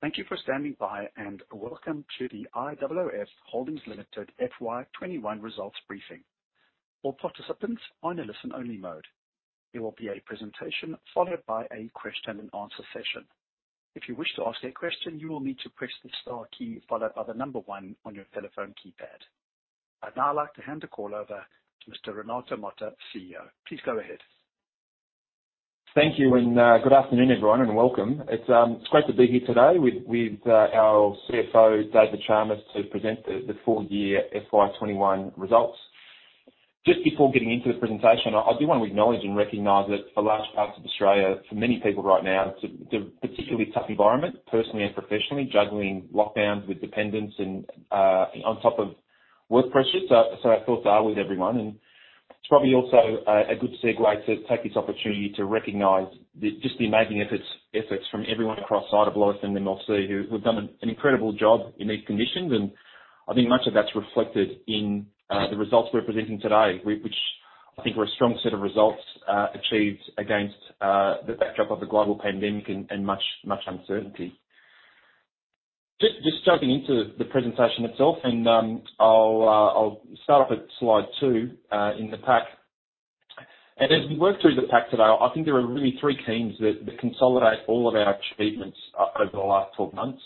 Thank you for standing by, and welcome to the IOOF Holdings Ltd FY21 Results Briefing. All participants are in a listen-only mode. There will be a presentation followed by a question and answer session. If you wish to ask a question, you will need to press the star key followed by the number one on your telephone keypad. I'd now like to hand the call over to Mr Renato Mota, CEO. Please go ahead. Thank you. Good afternoon, everyone, and welcome. It's great to be here today with our CFO, David Chalmers, to present the full year FY 2021 results. Just before getting into the presentation, I do want to acknowledge and recognize that for large parts of Australia, for many people right now, it's a particularly tough environment, personally and professionally, juggling lockdowns with dependents and on top of work pressures. Our thoughts are with everyone. It's probably also a good segue to take this opportunity to recognize just the amazing efforts from everyone across IOOF and MLC who have done an incredible job in these conditions. I think much of that's reflected in the results we're presenting today, which I think were a strong set of results achieved against the backdrop of the global pandemic and much uncertainty. Just jumping into the presentation itself, I'll start off at slide two in the pack. As we work through the pack today, I think there are really three themes that consolidate all of our achievements over the last 12 months.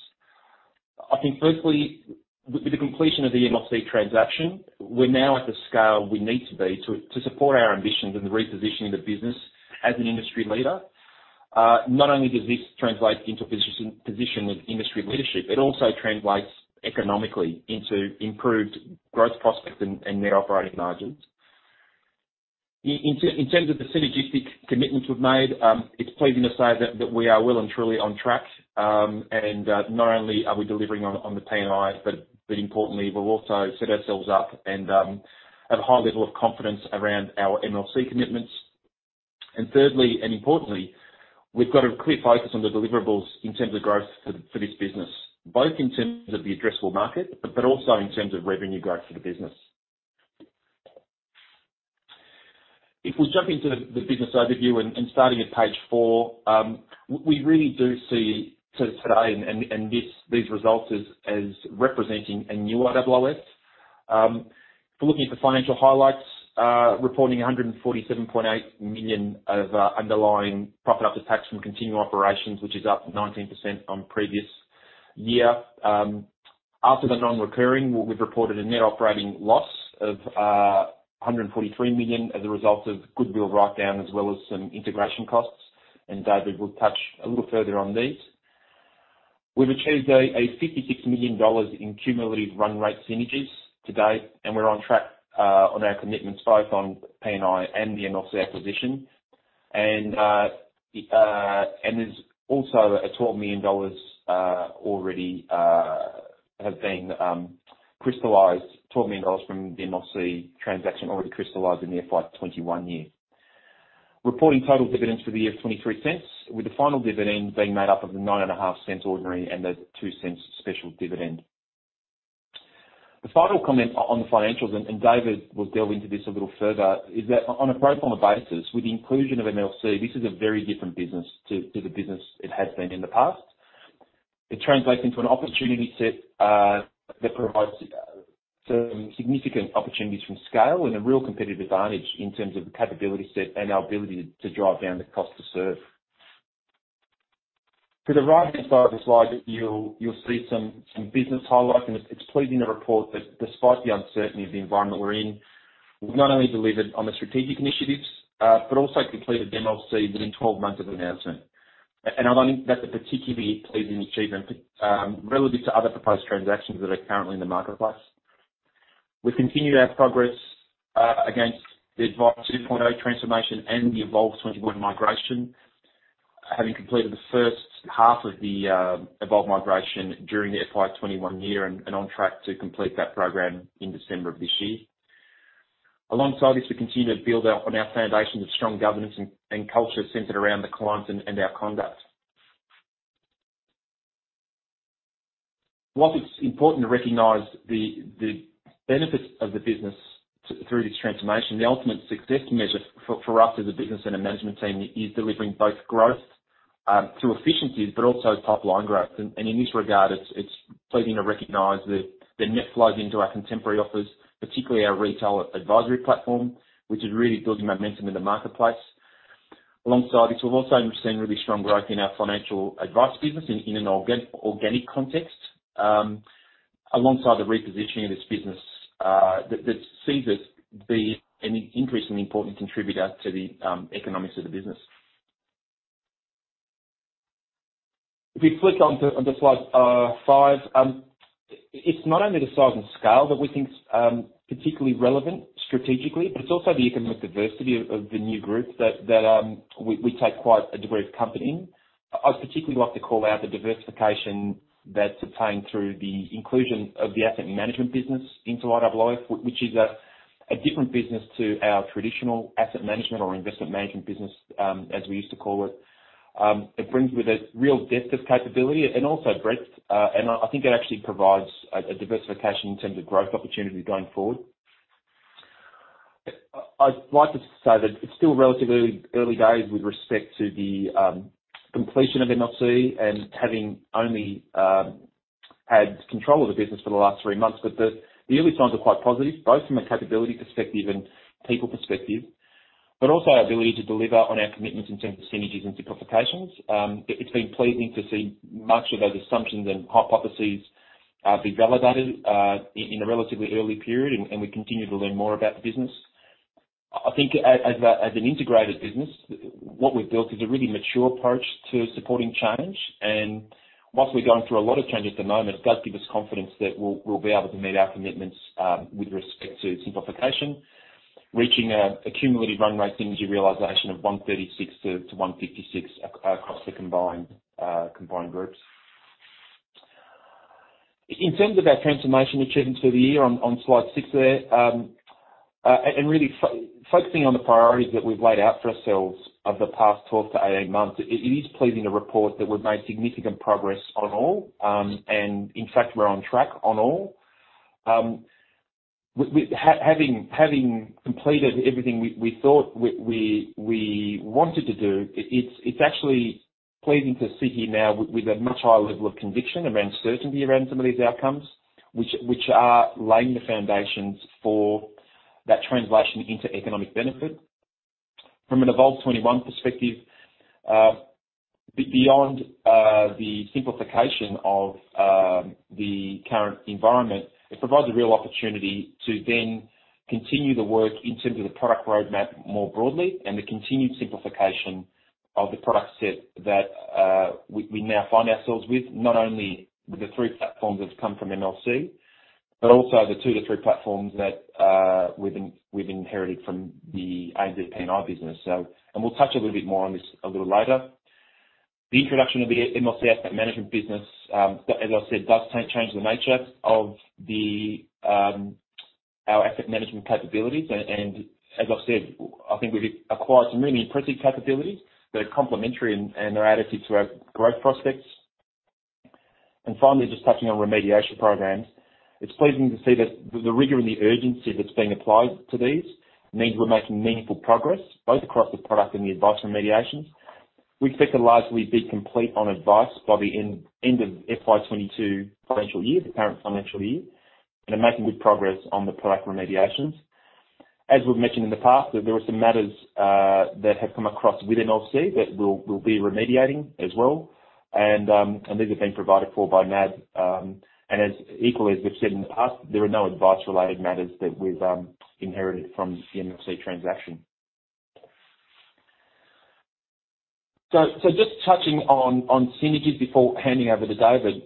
I think firstly, with the completion of the MLC transaction, we're now at the scale we need to be to support our ambitions and the repositioning of the business as an industry leader. Not only does this translate into a position of industry leadership, it also translates economically into improved growth prospects and net operating margins. In terms of the synergistic commitments we've made, it's pleasing to say that we are well and truly on track. Not only are we delivering on the P&I, but importantly, we've also set ourselves up and have a high level of confidence around our MLC commitments. Thirdly and importantly, we've got a clear focus on the deliverables in terms of growth for this business, both in terms of the addressable market, but also in terms of revenue growth for the business. If we jump into the business overview and starting at page four, we really do see today and these results as representing a new IOOF. If we're looking at the financial highlights, reporting 147.8 million of Underlying Net Profit After Tax from continuing operations, which is up 19% on previous year. After the non-recurring, we've reported a net operating loss of 143 million as a result of goodwill write-down as well as some integration costs. David will touch a little further on these. We've achieved 56 million dollars in cumulative run rate synergies to date, and we're on track on our commitments both on P&I and the MLC acquisition. There's also a AUD 12 million already has been crystallized, AUD 12 million from the MLC transaction already crystallized in the FY 2021 year. Reporting total dividends for the year of 0.23, with the final dividend being made up of the 0.095 ordinary and the 0.02 special dividend. The final comment on the financials, David will delve into this a little further, is that on a pro forma basis, with the inclusion of MLC, this is a very different business to the business it has been in the past. It translates into an opportunity set that provides some significant opportunities from scale and a real competitive advantage in terms of the capability set and our ability to drive down the cost to serve. To the right-hand side of the slide, you'll see some business highlights, and it's pleasing to report that despite the uncertainty of the environment we're in, we've not only delivered on the strategic initiatives, but also completed MLC within 12 months of announcement. I think that's a particularly pleasing achievement relative to other proposed transactions that are currently in the marketplace. We've continued our progress against the Advice 2.0 transformation and the Evolve21 migration, having completed the first half of the Evolve migration during the FY21 year and on track to complete that program in December of this year. Alongside this, we continue to build on our foundations of strong governance and culture centered around the client and our conduct. Whilst it's important to recognize the benefits of the business through this transformation, the ultimate success measure for us as a business and a management team is delivering both growth through efficiencies, but also top-line growth. In this regard, it's pleasing to recognize the net flows into our contemporary offers, particularly our retail advisory platform, which is really building momentum in the marketplace. Alongside this, we've also seen really strong growth in our financial advice business in an organic context. Alongside the repositioning of this business that sees us be an increasingly important contributor to the economics of the business. If you flick onto slide five, it's not only the size and scale that we think is particularly relevant strategically, but it's also the economic diversity of the new group that we take quite a degree of comfort in. I'd particularly like to call out the diversification that's attained through the inclusion of the asset management business into IOOF, which is a different business to our traditional asset management or investment management business, as we used to call it. It brings with it real depth of capability and also breadth. I think it actually provides a diversification in terms of growth opportunity going forward. I'd like to say that it's still relatively early days with respect to the completion of MLC and having only had control of the business for the last three months. The early signs are quite positive, both from a capability perspective and people perspective, but also our ability to deliver on our commitments in terms of synergies and simplifications. It's been pleasing to see much of those assumptions and hypotheses be validated in a relatively early period, and we continue to learn more about the business. I think as an integrated business, what we've built is a really mature approach to supporting change. Whilst we're going through a lot of change at the moment, it does give us confidence that we'll be able to meet our commitments with respect to simplification, reaching a cumulative run rate synergy realization of 136-156 across the combined groups. In terms of our transformation achievements for the year on Slide six there, really focusing on the priorities that we've laid out for ourselves over the past 12 to 18 months, it is pleasing to report that we've made significant progress on all. In fact, we're on track on all. Having completed everything we thought we wanted to do, it's actually pleasing to sit here now with a much higher level of conviction around certainty around some of these outcomes, which are laying the foundations for that translation into economic benefit. From an Evolve21 perspective, beyond the simplification of the current environment, it provides a real opportunity to then continue the work in terms of the product roadmap more broadly and the continued simplification of the product set that we now find ourselves with, not only the three platforms that have come from MLC, but also the two to three platforms that we've inherited from the ANZ P&I business. We'll touch a little bit more on this a little later. The introduction of the MLC Asset Management business, as I said, does change the nature of our asset management capabilities. As I said, I think we've acquired some really impressive capabilities that are complementary and are additive to our growth prospects. Finally, just touching on remediation programs. It's pleasing to see that the rigor and the urgency that's being applied to these means we're making meaningful progress both across the product and the advice remediations. We expect to largely be complete on advice by the end of FY 2022 financial year, the current financial year, and are making good progress on the product remediations. As we've mentioned in the past, that there are some matters that have come across with MLC that we'll be remediating as well, and these have been provided for by NAB. Equally as we've said in the past, there are no advice related matters that we've inherited from the MLC transaction. Just touching on synergies before handing over to David.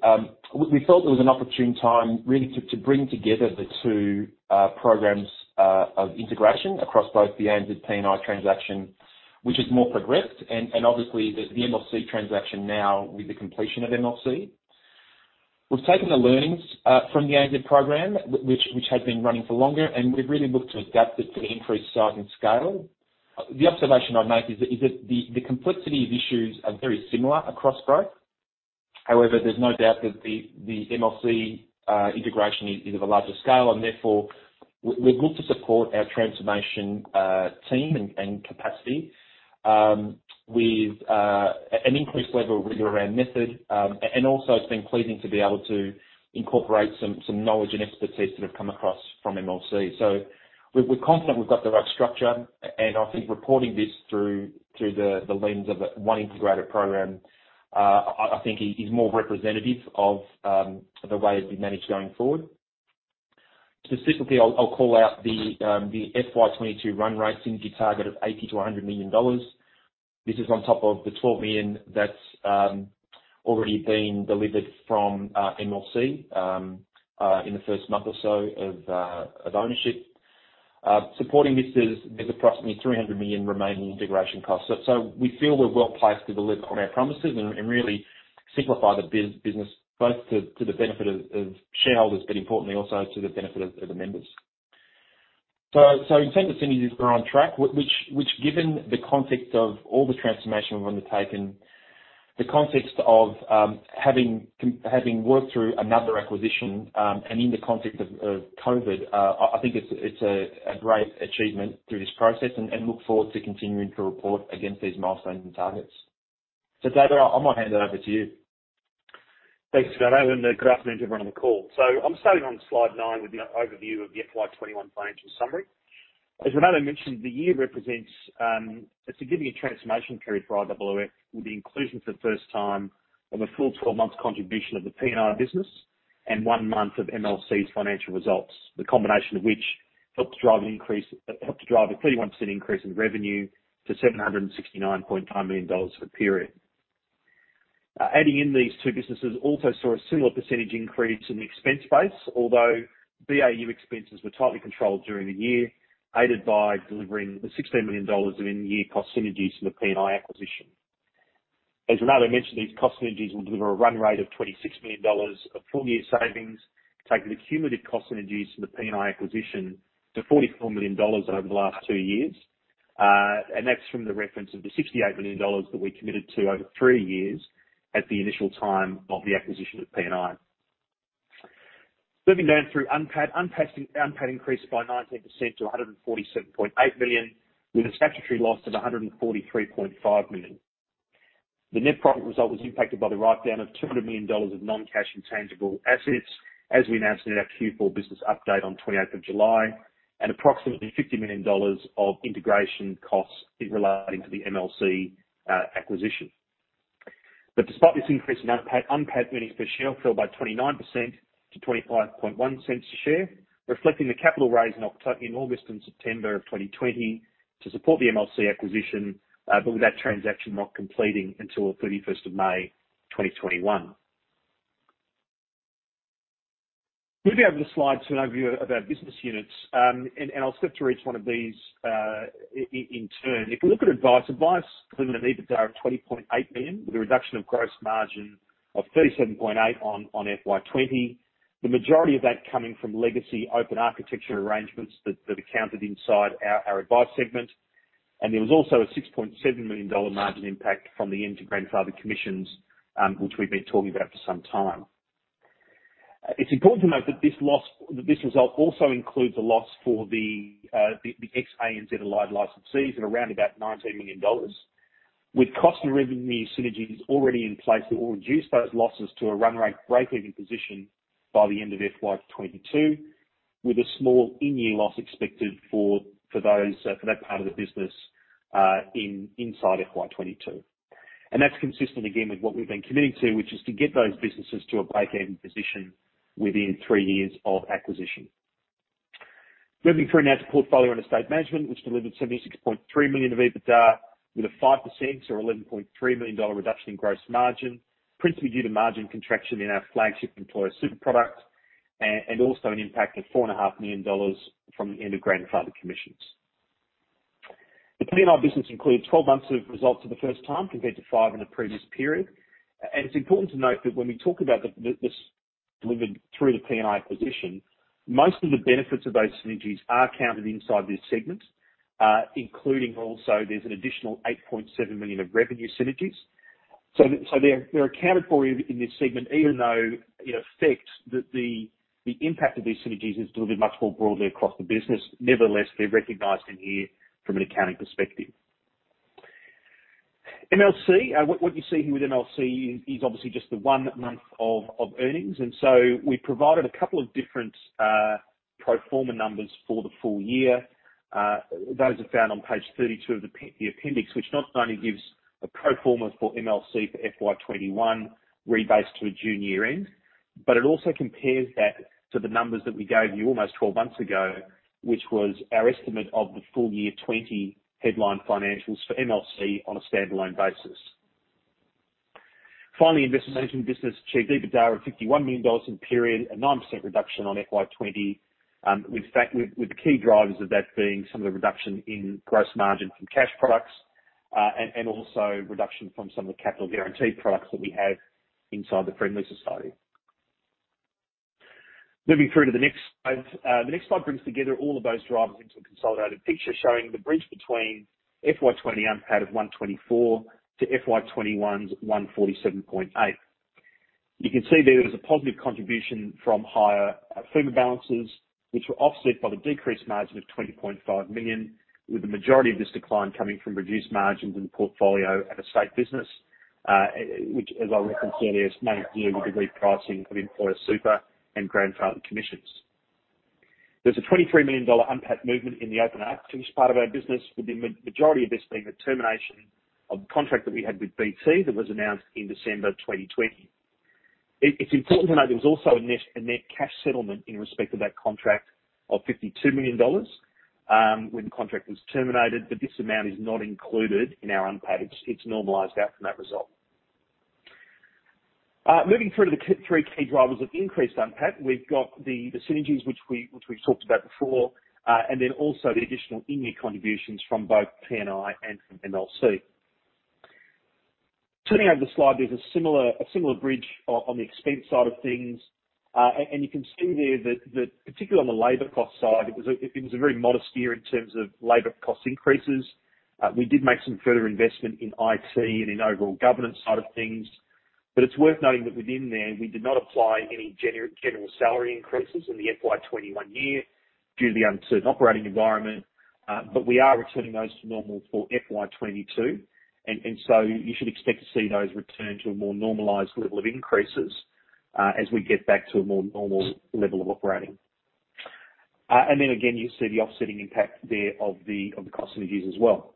We felt it was an opportune time really to bring together the two programs of integration across both the ANZ P&I transaction, which is more progressed, and obviously the MLC transaction now with the completion of MLC. We've taken the learnings from the ANZ program, which had been running for longer, and we've really looked to adapt it to the increased size and scale. The observation I'd make is that the complexity of issues are very similar across both. However, there's no doubt that the MLC integration is of a larger scale, and therefore we look to support our transformation team and capacity with an increased level of rigor around method. Also it's been pleasing to be able to incorporate some knowledge and expertise that have come across from MLC. We're confident we've got the right structure. I think reporting this through the lens of one integrated program, I think is more representative of the way it'll be managed going forward. Specifically, I'll call out the FY 2022 run rate synergy target of 80 million-100 million dollars. This is on top of the 12 million that's already been delivered from MLC in the first month or so of ownership. Supporting this is approximately 300 million remaining integration costs. We feel we're well placed to deliver on our promises and really simplify the business both to the benefit of shareholders, but importantly also to the benefit of the members. In terms of synergies, we're on track. Which given the context of all the transformation we've undertaken, the context of having worked through another acquisition and in the context of COVID, I think it's a great achievement through this process and look forward to continuing to report against these milestones and targets. David, I might hand it over to you. Thanks, Renato, and good afternoon to everyone on the call. I'm starting on slide 9 with the overview of the FY 2021 financial summary. As Renato mentioned, the year represents a significant transformation period for IOOF with the inclusion for the first time of a full 12 months contribution of the P&I business and one month of MLC's financial results. The combination of which helped to drive a 31% increase in revenue to 769.9 million dollars for the period. Adding in these two businesses also saw a similar percentage increase in the expense base, although BAU expenses were tightly controlled during the year, aided by delivering the 16 million dollars in year cost synergies from the P&I acquisition. As Renato mentioned, these cost synergies will deliver a run rate of 26 million dollars of full year savings, taking the cumulative cost synergies from the P&I acquisition to 44 million dollars over the last two years. That's from the reference of the 68 million dollars that we committed to over three years at the initial time of the acquisition of P&I. Moving down through UNPAT. UNPAT increased by 19% to 147.8 million, with a statutory loss of 143.5 million. The net profit result was impacted by the write-down of 200 million dollars of non-cash intangible assets, as we announced in our Q4 business update on 28th of July, and approximately 50 million dollars of integration costs relating to the MLC acquisition. Despite this increase in UNPAT earnings per share fell by 29% to 0.251 a share, reflecting the capital raise in August and September of 2020 to support the MLC acquisition, but with that transaction not completing until 31st of May 2021. Moving over the slide to an overview of our business units, I'll skip through each one of these in turn. If you look at advice delivered an EBITDA of 20.8 million, with a reduction of gross margin of 37.8% on FY 2020. The majority of that coming from legacy open architecture arrangements that are counted inside our advice segment. There was also an 6.7 million dollar margin impact from the end of grandfathered commissions, which we've been talking about for some time. It's important to note that this result also includes a loss for the ex-ANZ Aligned licensees at around about 19 million dollars. With cost and revenue synergies already in place that will reduce those losses to a run rate break-even position by the end of FY 2022, with a small in-year loss expected for that part of the business inside FY 2022. That's consistent again with what we've been committing to, which is to get those businesses to a break-even position within three years of acquisition. Moving through now to portfolio and estate management, which delivered 76.3 million of EBITDA with a 5% or AUD 11.3 million reduction in gross margin, principally due to margin contraction in our flagship employer super product, and also an impact of 4.5 million dollars from the end of grandfathered commissions. The P&I business includes 12 months of results for the first time compared to five in the previous period. It's important to note that when we talk about this delivered through the P&I acquisition, most of the benefits of those synergies are counted inside this segment, including also there's an additional 8.7 million of revenue synergies. They're accounted for in this segment, even though in effect that the impact of these synergies is delivered much more broadly across the business. Nevertheless, they're recognized in here from an accounting perspective. MLC. What you see here with MLC is obviously just the one month of earnings, we provided a couple of different pro forma numbers for the full year. Those are found on page 32 of the appendix, which not only gives a pro forma for MLC for FY 2021 rebased to a June year-end, but it also compares that to the numbers that we gave you almost 12 months ago, which was our estimate of the full year 2020 headline financials for MLC on a standalone basis. Finally, investment management business achieved EBITDA of AUD 51 million in the period, a 9% reduction on FY 2020, with the key drivers of that being some of the reduction in gross margin from cash products, and also reduction from some of the capital guaranteed products that we have inside the Friendly Society. Moving through to the next slide. The next slide brings together all of those drivers into a consolidated picture showing the bridge between FY 2020 UNPAT of 124 to FY 2021's 147.8. You can see there is a positive contribution from higher fewer balances, which were offset by the decreased margin of 20.5 million, with the majority of this decline coming from reduced margins in the portfolio at estate business, which as I referenced earlier, is mainly to do with the repricing of employer super and grandfathered commissions. There's a 23 million dollar UNPAT movement in the open architecture as part of our business, with the majority of this being the termination of contract that we had with BT that was announced in December 2020. It's important to note there was also a net cash settlement in respect of that contract of 52 million dollars, when the contract was terminated, but this amount is not included in our UNPAT. It's normalized out from that result. Moving through to the three key drivers of increased UNPAT. We've got the synergies which we've talked about before, also the additional in-year contributions from both P&I and from MLC. Turning over the slide, there's a similar bridge on the expense side of things. You can see there that particularly on the labor cost side, it was a very modest year in terms of labor cost increases. We did make some further investment in IT and in overall governance side of things. It's worth noting that within there, we did not apply any general salary increases in the FY 2021 year due to the uncertain operating environment. We are returning those to normal for FY 2022. You should expect to see those return to a more normalized level of increases as we get back to a more normal level of operating. Then again, you see the offsetting impact there of the cost synergies as well.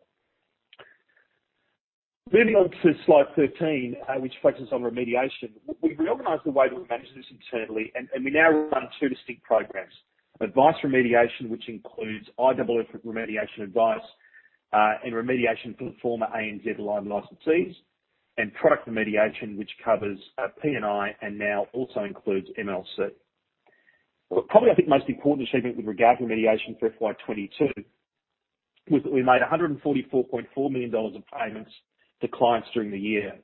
Moving on to slide 13, which focuses on remediation. We've reorganized the way that we manage this internally, and we now run two distinct programs. Advice remediation, which includes IOOF remediation advice, and remediation for the former ANZ Aligned licensees, and product remediation, which covers P&I and now also includes MLC. Probably I think most important achievement with regard to remediation for FY 2022 was that we made 144.4 million dollars of payments to clients during the year.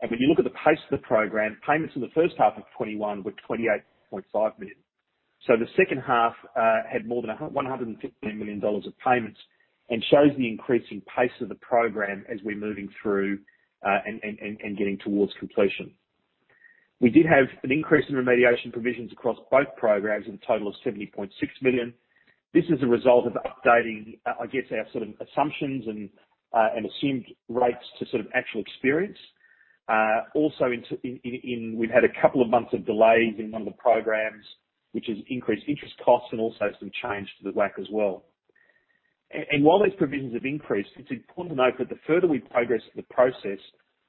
When you look at the pace of the program, payments in the first half of 2021 were 28.5 million. The second half had more than 115 million dollars of payments and shows the increasing pace of the program as we're moving through and getting towards completion. We did have an increase in remediation provisions across both programs of a total of 70.6 million. This is a result of updating, I guess, our sort of assumptions and assumed rates to sort of actual experience. Also, we've had a couple of months of delays in one of the programs, which has increased interest costs and also some change to the WACC as well. While those provisions have increased, it's important to note that the further we progress the process,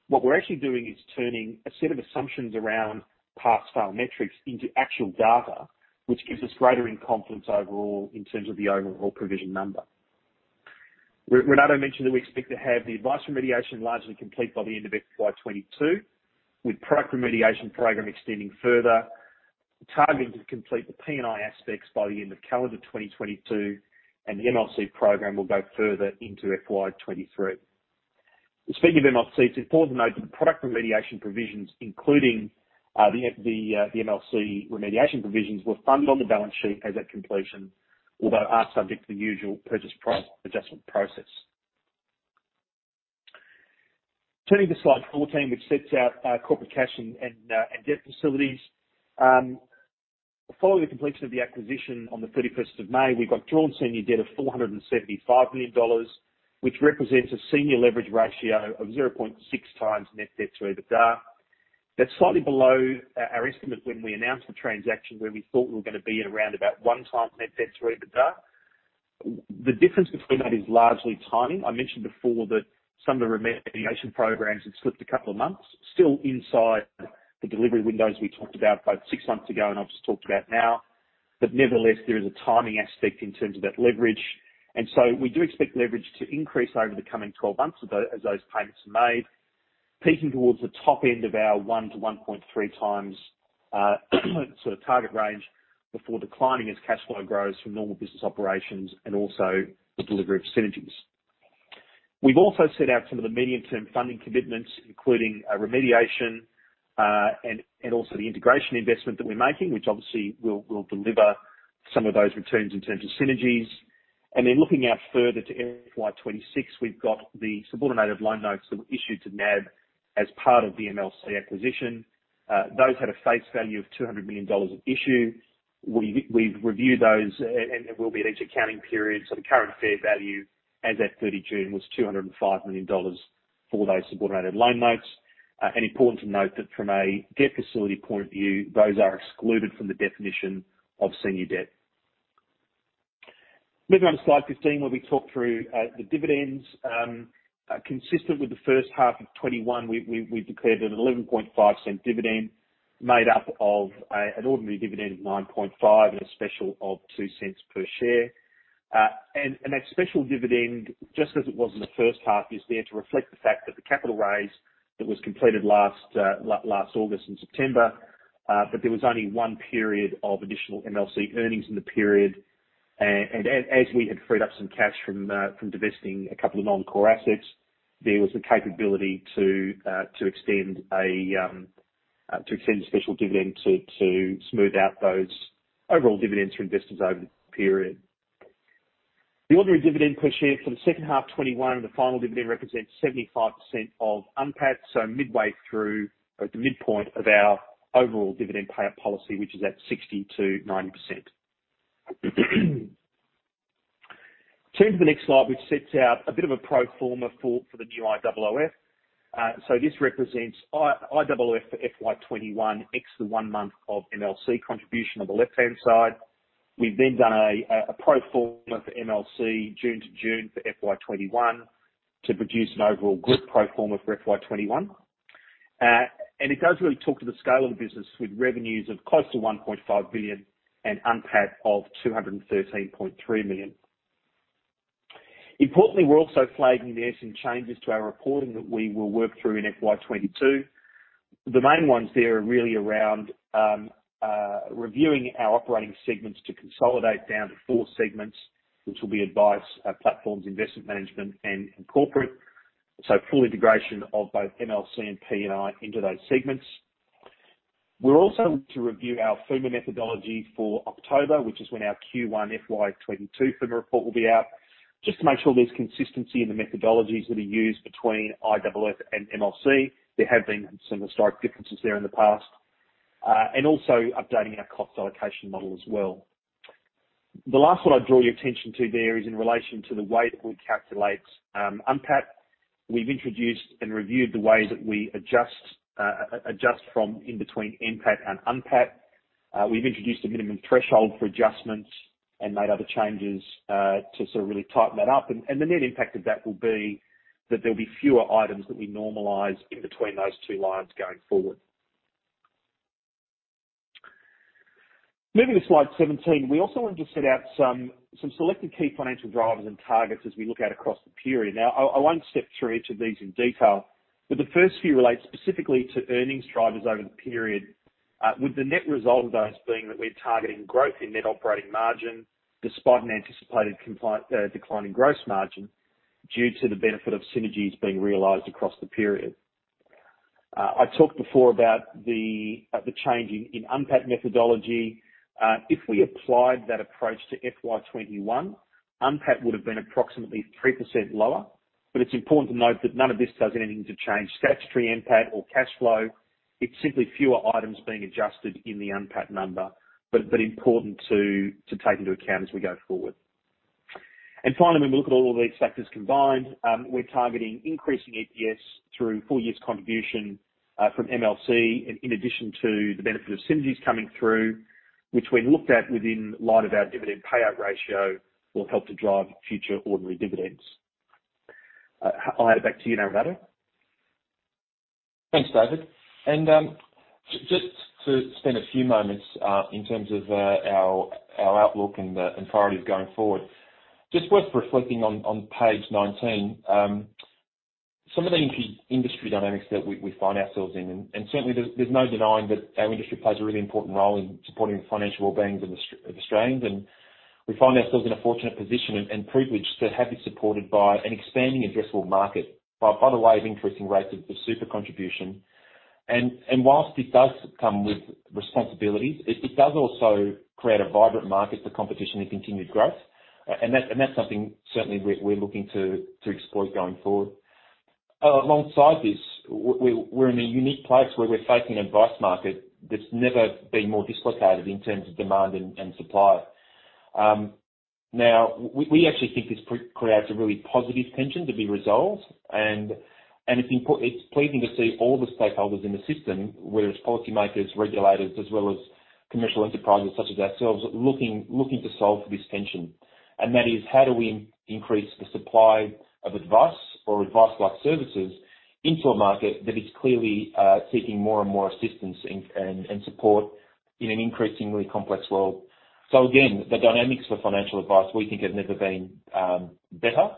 what we're actually doing is turning a set of assumptions around past style metrics into actual data, which gives us greater confidence overall in terms of the overall provision number. Renato mentioned that we expect to have the advice remediation largely complete by the end of FY 2022, with product remediation program extending further, targeting to complete the P&I aspects by the end of calendar 2022, and the MLC program will go further into FY 2023. Speaking of MLC, it's important to note that product remediation provisions, including the MLC remediation provisions, were funded on the balance sheet as at completion, although are subject to the usual purchase price adjustment process. Turning to slide 14, which sets out our corporate cash and debt facilities. Following the completion of the acquisition on the 31st of May, we've got drawn senior debt of 475 million dollars, which represents a senior leverage ratio of 0.6x net debt to EBITDA. That's slightly below our estimate when we announced the transaction, where we thought we were going to be at around about one time net debt to EBITDA. The difference between that is largely timing. I mentioned before that some of the remediation programs had slipped two months, still inside the delivery windows we talked about both six months ago and obviously talked about now. Nevertheless, there is a timing aspect in terms of that leverage. We do expect leverage to increase over the coming 12 months as those payments are made, peaking towards the top end of our 1 to 1.3x sort of target range before declining as cash flow grows from normal business operations and also the delivery of synergies. We've also set out some of the medium-term funding commitments, including remediation, and also the integration investment that we're making, which obviously will deliver some of those returns in terms of synergies. Looking out further to FY 2026, we've got the subordinated loan notes that were issued to NAB as part of the MLC acquisition. Those had a face value of 200 million dollars at issue. We've reviewed those and will be at each accounting period. The current fair value as at 30th June was 205 million dollars for those subordinated loan notes. Important to note that from a debt facility point of view, those are excluded from the definition of senior debt. Moving on to slide 15, where we talk through the dividends. Consistent with the first half of 2021, we declared an 0.115 dividend made up of an ordinary dividend of 0.095 and a special of 0.02 per share. That special dividend, just as it was in the first half, is there to reflect the fact that the capital raise that was completed last August and September, but there was only one period of additional MLC earnings in the period. As we had freed up some cash from divesting a couple of non-core assets, there was the capability to extend a special dividend to smooth out those overall dividends for investors over the period. The ordinary dividend per share for the second half 2021 and the final dividend represents 75% of UNPAT, so midway through or at the midpoint of our overall dividend payout policy, which is at 60%-90%. Turning to the next slide, which sets out a bit of a pro forma for the new IOOF. This represents IOOF for FY 2021 ex the one month of MLC contribution on the left-hand side. We've then done a pro forma for MLC June to June for FY 2021 to produce an overall group pro forma for FY 2021. It does really talk to the scale of the business with revenues of close to 1.5 billion and UNPAT of 213.3 million. Importantly, we're also flagging there some changes to our reporting that we will work through in FY 2022. The main ones there are really around reviewing our operating segments to consolidate down to four segments, which will be advice, platforms, investment management, and corporate. Full integration of both MLC and P&I into those segments. We're also looking to review our FUMA methodology for October, which is when our Q1 FY 2022 FUMA report will be out, just to make sure there's consistency in the methodologies that are used between IOOF and MLC. There have been some historic differences there in the past. Also updating our cost allocation model as well. The last one I'd draw your attention to there is in relation to the way that we calculate UNPAT. We've introduced and reviewed the way that we adjust from in between NPAT and UNPAT. We've introduced a minimum threshold for adjustments and made other changes to sort of really tighten that up. The net impact of that will be that there'll be FUMA items that we normalize in between those two lines going forward. Moving to slide 17. We also want to set out some selected key financial drivers and targets as we look out across the period. I won't step through each of these in detail, but the first few relate specifically to earnings drivers over the period, with the net result of those being that we're targeting growth in net operating margin despite an anticipated decline in gross margin due to the benefit of synergies being realized across the period. I talked before about the change in UNPAT methodology. If we applied that approach to FY 2021, UNPAT would have been approximately 3% lower. It's important to note that none of this does anything to change statutory NPAT or cash flow. It's simply fewer items being adjusted in the UNPAT number, but important to take into account as we go forward. Finally, when we look at all these factors combined, we're targeting increasing EPS through full year's contribution from MLC and in addition to the benefit of synergies coming through, which when looked at within light of our dividend payout ratio, will help to drive future ordinary dividends. I'll hand it back to you now, Renato. Thanks, David. Just to spend a few moments, in terms of our outlook and priorities going forward. Just worth reflecting on page 19, some of the industry dynamics that we find ourselves in, and certainly there's no denying that our industry plays a really important role in supporting the financial well-being of Australians. We find ourselves in a fortunate position and privileged to have been supported by an expanding addressable market by the way of increasing rates of super contribution. Whilst it does come with responsibilities, it does also create a vibrant market for competition and continued growth. That's something certainly we're looking to exploit going forward. Alongside this, we're in a unique place where we're facing an advice market that's never been more dislocated in terms of demand and supply. Now, we actually think this creates a really positive tension to be resolved. It's pleasing to see all the stakeholders in the system, whether it's policymakers, regulators, as well as commercial enterprises such as ourselves, looking to solve for this tension. That is how do we increase the supply of advice or advice-like services into a market that is clearly seeking more and more assistance and support in an increasingly complex world. Again, the dynamics for financial advice, we think have never been better.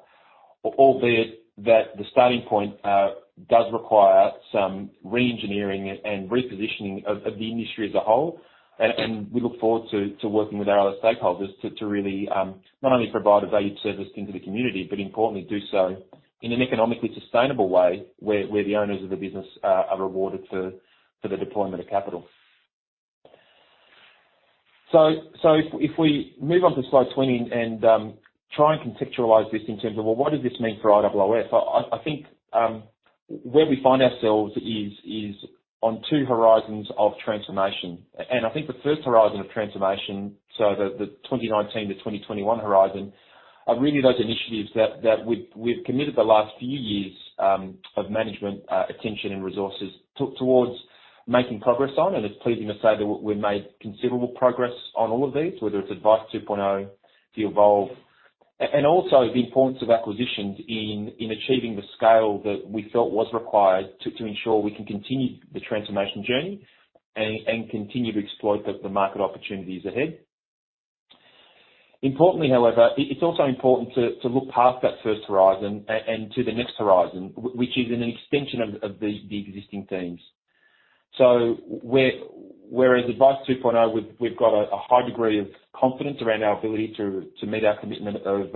Albeit that the starting point does require some re-engineering and repositioning of the industry as a whole. We look forward to working with our other stakeholders to really not only provide a valued service into the community, but importantly, do so in an economically sustainable way, where the owners of the business are rewarded for the deployment of capital. If we move on to slide 20 and try and contextualize this in terms of, well, what does this mean for IOOF? I think where we find ourselves is on two horizons of transformation. I think the 1st horizon of transformation, so the 2019-2021 horizon, are really those initiatives that we've committed the last few years of management attention and resources towards making progress on. It's pleasing to say that we've made considerable progress on all of these, whether it's Advice 2.0, the Evolve, and also the importance of acquisitions in achieving the scale that we felt was required to ensure we can continue the transformation journey and continue to exploit the market opportunities ahead. Importantly, however, it's also important to look past that 1st horizon and to the next horizon, which is an extension of the existing themes. Whereas Advice 2.0, we've got a high degree of confidence around our ability to meet our commitment of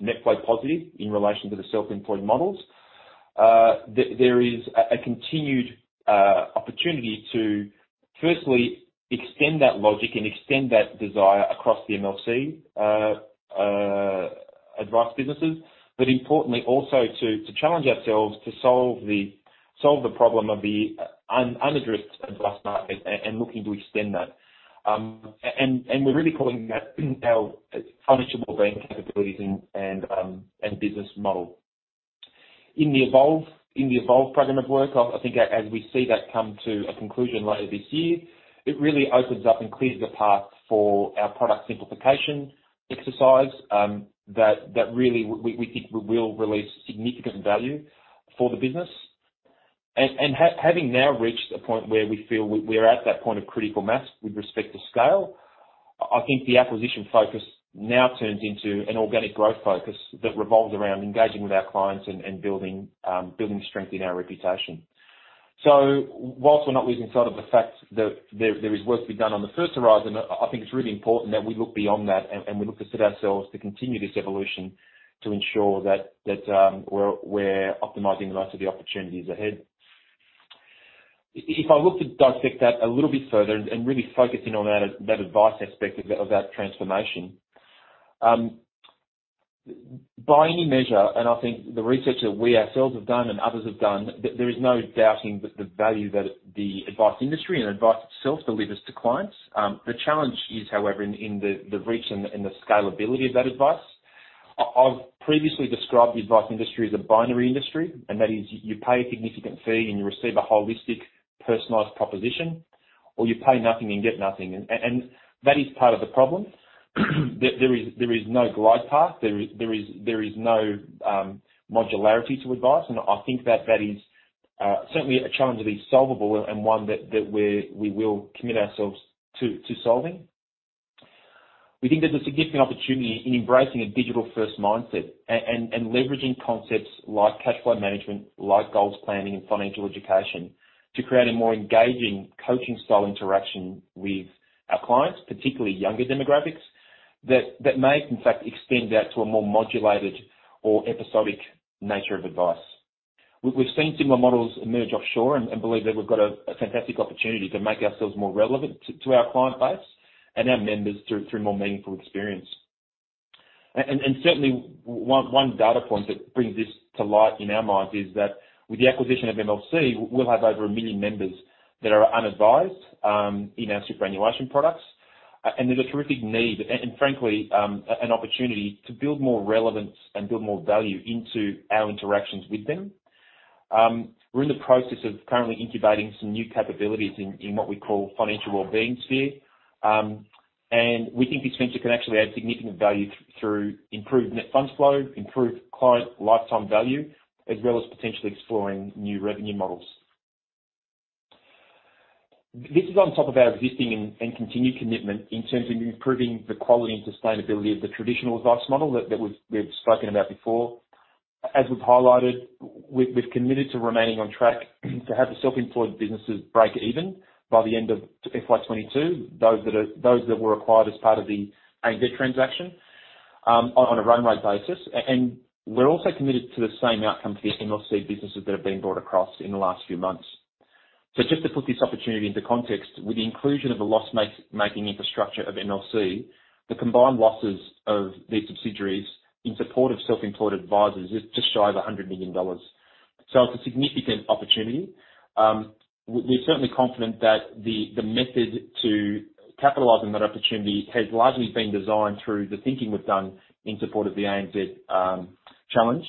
net flow positive in relation to the self-employed models. There is a continued opportunity to firstly extend that logic and extend that desire across the MLC advice businesses, but importantly also to challenge ourselves to solve the problem of the unaddressed advice market and looking to extend that. We're really calling that our achievable bank capabilities and business model. In the Evolve program of work, I think as we see that come to a conclusion later this year, it really opens up and clears the path for our product simplification exercise that really we think will release significant value for the business. Having now reached a point where we feel we're at that point of critical mass with respect to scale, I think the acquisition focus now turns into an organic growth focus that revolves around engaging with our clients and building strength in our reputation. Whilst we're not losing sight of the fact that there is work to be done on the first horizon, I think it's really important that we look beyond that and we look to set ourselves to continue this evolution to ensure that we're optimizing the rest of the opportunities ahead. If I look to dissect that a little bit further and really focus in on that advice aspect of that transformation. By any measure, and I think the research that we ourselves have done and others have done, there is no doubting the value that the advice industry and advice itself delivers to clients. The challenge is, however, in the reach and the scalability of that advice. I've previously described the advice industry as a binary industry, and that is you pay a significant fee and you receive a holistic, personalized proposition, or you pay nothing and get nothing. That is part of the problem. There is no glide path. There is no modularity to advice, and I think that is certainly a challenge that is solvable and one that we will commit ourselves to solving. We think there's a significant opportunity in embracing a digital-first mindset and leveraging concepts like cash flow management, like goals planning and financial education to create a more engaging coaching style interaction with our clients, particularly younger demographics. That may in fact extend out to a more modulated or episodic nature of advice. We've seen similar models emerge offshore and believe that we've got a fantastic opportunity to make ourselves more relevant to our client base and our members through more meaningful experience. Certainly, one data point that brings this to light in our minds is that with the acquisition of MLC, we'll have over 1 million members that are unadvised in our superannuation products. There's a terrific need and frankly, an opportunity to build more relevance and build more value into our interactions with them. We're in the process of currently incubating some new capabilities in what we call financial wellbeing sphere. We think this venture can actually add significant value through improved net funds flow, improved client lifetime value, as well as potentially exploring new revenue models. This is on top of our existing and continued commitment in terms of improving the quality and sustainability of the traditional advice model that we've spoken about before. As we've highlighted, we've committed to remaining on track to have the self-employed businesses break even by the end of FY 2022, those that were acquired as part of the ANZ transaction, on a run rate basis. We're also committed to the same outcome for the MLC businesses that have been brought across in the last few months. Just to put this opportunity into context, with the inclusion of the loss-making infrastructure of MLC, the combined losses of these subsidiaries in support of self-employed advisers is just shy of 100 million dollars. It's a significant opportunity. We're certainly confident that the method to capitalizing that opportunity has largely been designed through the thinking we've done in support of the ANZ challenge.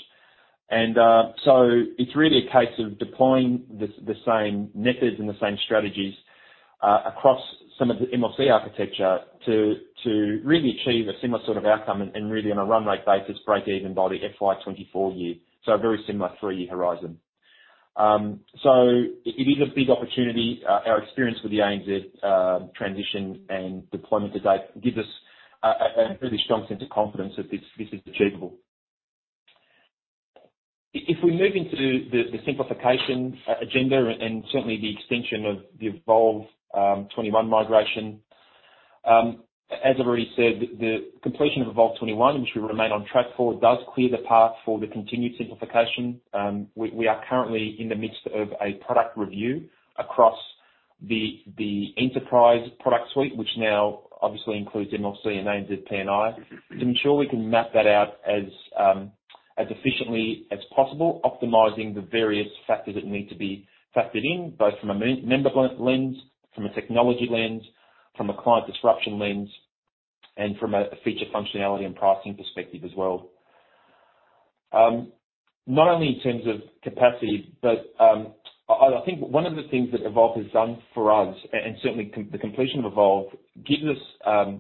It's really a case of deploying the same methods and the same strategies across some of the MLC architecture to really achieve a similar sort of outcome and really on a run rate basis, break even by the FY 2024 year. A very similar three-year horizon. It is a big opportunity. Our experience with the ANZ transition and deployment to date gives us a really strong sense of confidence that this is achievable. If we move into the simplification agenda and certainly the extension of the Evolve21 migration. As I've already said, the completion of Evolve21, which we remain on track for, does clear the path for the continued simplification. We are currently in the midst of a product review across the enterprise product suite, which now obviously includes MLC and ANZ P&I, to ensure we can map that out as efficiently as possible, optimizing the various factors that need to be factored in, both from a member lens, from a technology lens, from a client disruption lens, and from a feature functionality and pricing perspective as well. Not only in terms of capacity, but I think one of the things that Evolve has done for us, and certainly the completion of Evolve, gives us a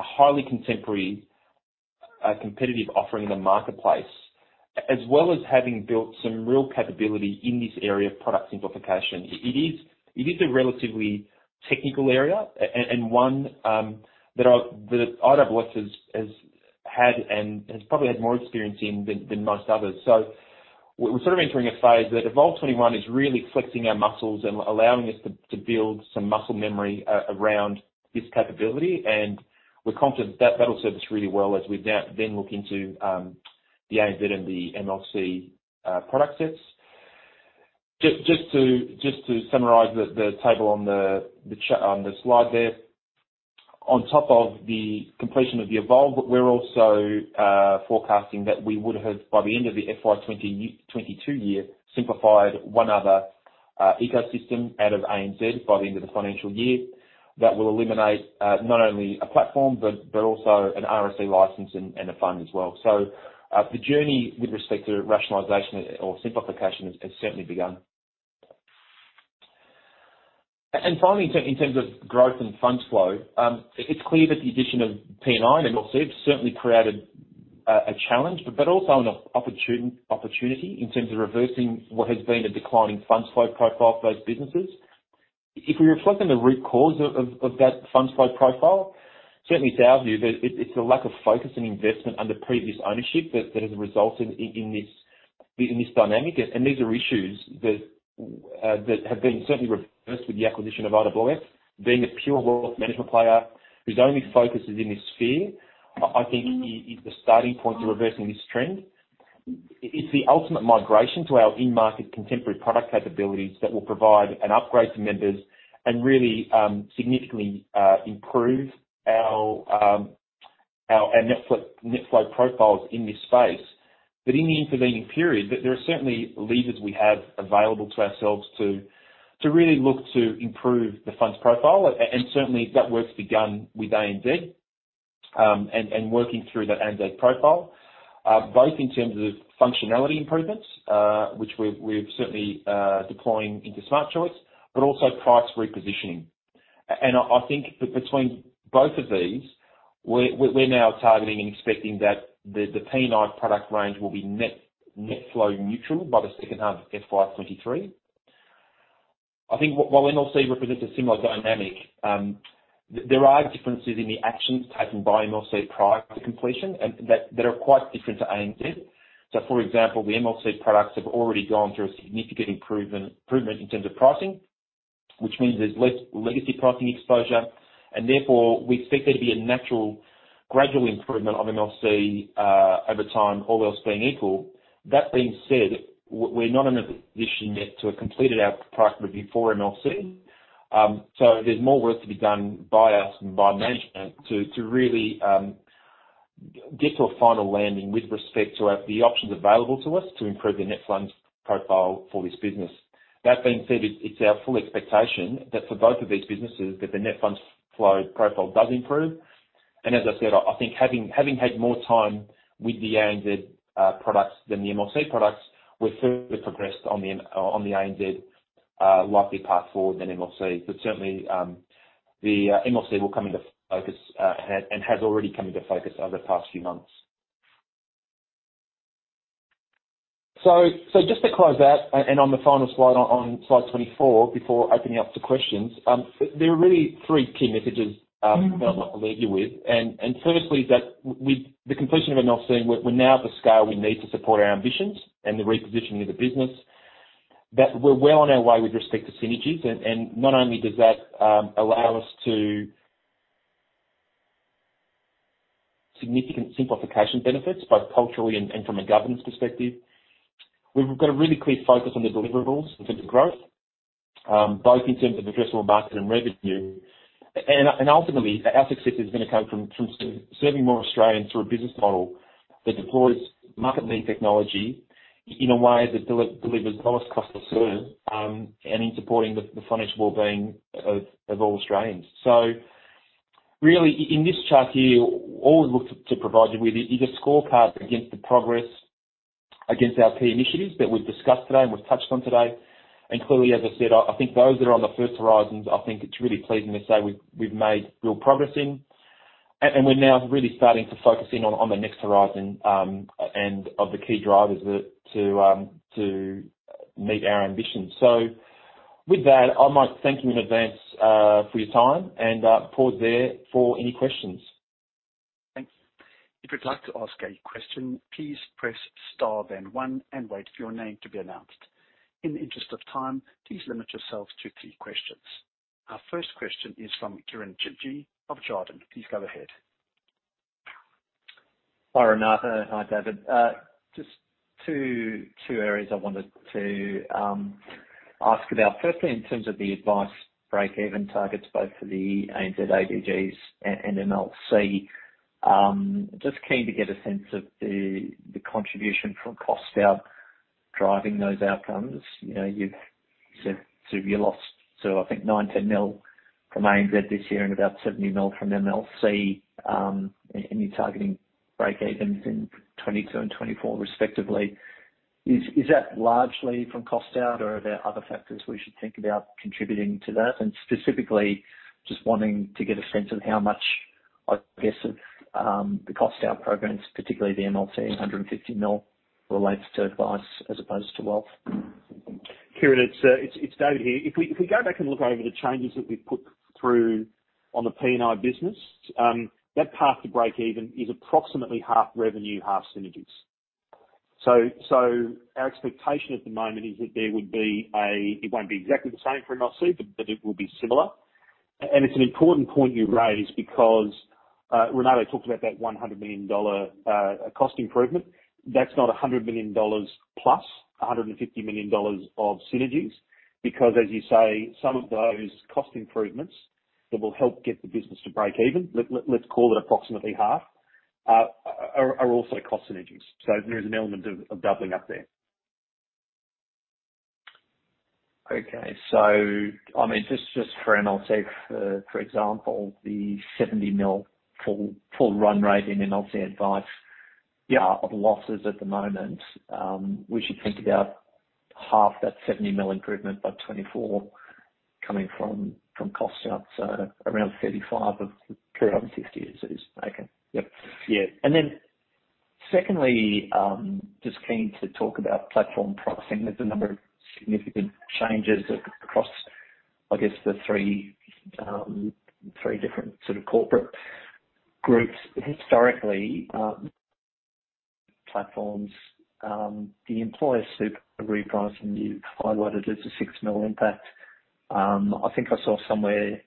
highly contemporary, competitive offering in the marketplace, as well as having built some real capability in this area of product simplification. It is a relatively technical area and one that IOOF has had and has probably had more experience in than most others. We're sort of entering a phase that Evolve21 is really flexing our muscles and allowing us to build some muscle memory around this capability, and we're confident that that'll serve us really well as we then look into the ANZ and the MLC product sets. Just to summarize the table on the slide there. On top of the completion of the Evolve, we're also forecasting that we would have, by the end of the FY 2022 year, simplified one other ecosystem out of ANZ by the end of the financial year. That will eliminate not only a platform, but also an RSE license and a fund as well. The journey with respect to rationalization or simplification has certainly begun. Finally, in terms of growth and funds flow, it's clear that the addition of P&I and MLC has certainly created a challenge, but also an opportunity in terms of reversing what has been a declining funds flow profile for those businesses. If we reflect on the root cause of that funds flow profile, certainly it's our view that it's a lack of focus and investment under previous ownership that has resulted in this dynamic, and these are issues that have been certainly reversed with the acquisition of IOOF. Being a pure wealth management player whose only focus is in this sphere, I think is the starting point to reversing this trend. It's the ultimate migration to our in-market contemporary product capabilities that will provide an upgrade to members and really significantly improve our net flow profiles in this space. In the intervening period, there are certainly levers we have available to ourselves to really look to improve the funds profile, and certainly that work's begun with ANZ, and working through that ANZ profile. Both in terms of functionality improvements, which we're certainly deploying into Smart Choice, but also price repositioning. I think between both of these, we're now targeting and expecting that the P&I product range will be net flow neutral by the second half of FY 2023. I think while MLC represents a similar dynamic, there are differences in the actions taken by MLC prior to completion and that are quite different to ANZ. For example, the MLC products have already gone through a significant improvement in terms of pricing. Which means there's less legacy pricing exposure, and therefore, we expect there to be a natural gradual improvement of MLC over time, all else being equal. We're not in a position yet to have completed our price review for MLC. There's more work to be done by us and by management to really get to a final landing with respect to the options available to us to improve the net funds profile for this business. It's our full expectation that for both of these businesses, that the net funds flow profile does improve. As I said, I think having had more time with the ANZ products than the MLC products, we're further progressed on the ANZ likely path forward than MLC. Certainly, the MLC will come into focus and has already come into focus over the past few months. Just to close out, and on the final slide, on slide 24, before opening up to questions. There are really three key messages that I'd like to leave you with. Firstly, is that with the completion of MLC, we're now at the scale we need to support our ambitions and the repositioning of the business. We're well on our way with respect to synergies, and not only does that allow us to Significant simplification benefits, both culturally and from a governance perspective. We've got a really clear focus on the deliverables in terms of growth, both in terms of addressable market and revenue. Ultimately, our success is going to come from serving more Australians through a business model that deploys market-leading technology in a way that delivers lowest cost to serve, and in supporting the financial wellbeing of all Australians. Really, in this chart here, all we looked to provide you with is a scorecard against the progress against our key initiatives that we've discussed today and we've touched on today. Clearly, as I said, I think those that are on the first horizons, I think it's really pleasing to say we've made real progress in. We're now really starting to focus in on the next horizon, and of the key drivers to meet our ambitions. With that, I might thank you in advance for your time and pause there for any questions. Thanks. If you'd like to ask a question, please press star then one and wait for your name to be announced. In the interest of time, please limit yourselves to three questions. Our first question is from Kieren Chidgey of Jarden. Please go ahead. Hi, Renato. Hi, David. Just two areas I wanted to ask about. Firstly, in terms of the advice breakeven targets, both for the ANZ ALGs and MLC. Keen to get a sense of the contribution from cost out driving those outcomes. You've said severe loss. I think 9 million, 10 million from ANZ this year and about 70 million from MLC and you're targeting breakevens in 2022 and 2024 respectively. Is that largely from cost out or are there other factors we should think about contributing to that? Specifically, just wanting to get a sense of how much, I guess, the cost out programs, particularly the MLC, 150 million relates to advice as opposed to wealth. Kieren, it's David here. If we go back and look over the changes that we've put through on the P&I business, that path to breakeven is approximately half revenue, half synergies. Our expectation at the moment is that It won't be exactly the same for MLC, but it will be similar. It's an important point you raise because Renato talked about that 100 million dollar cost improvement. That's not 100 million dollars+ 150 million dollars of synergies. As you say, some of those cost improvements that will help get the business to breakeven, let's call it approximately half, are also cost synergies. There is an element of doubling up there. Okay. just for MLC, for example, the 70 million full run rate in MLC advice. Yeah. Of losses at the moment. We should think about half that 70 million improvement by FY 2024 coming from cost out. Correct. Okay. Yep. Yeah. Secondly, just keen to talk about platform pricing. There's a number of significant changes across, I guess, the three different sort of corporate groups. Historically, platforms, the employer super repricing you've highlighted is a 6 million impact. I think I saw somewhere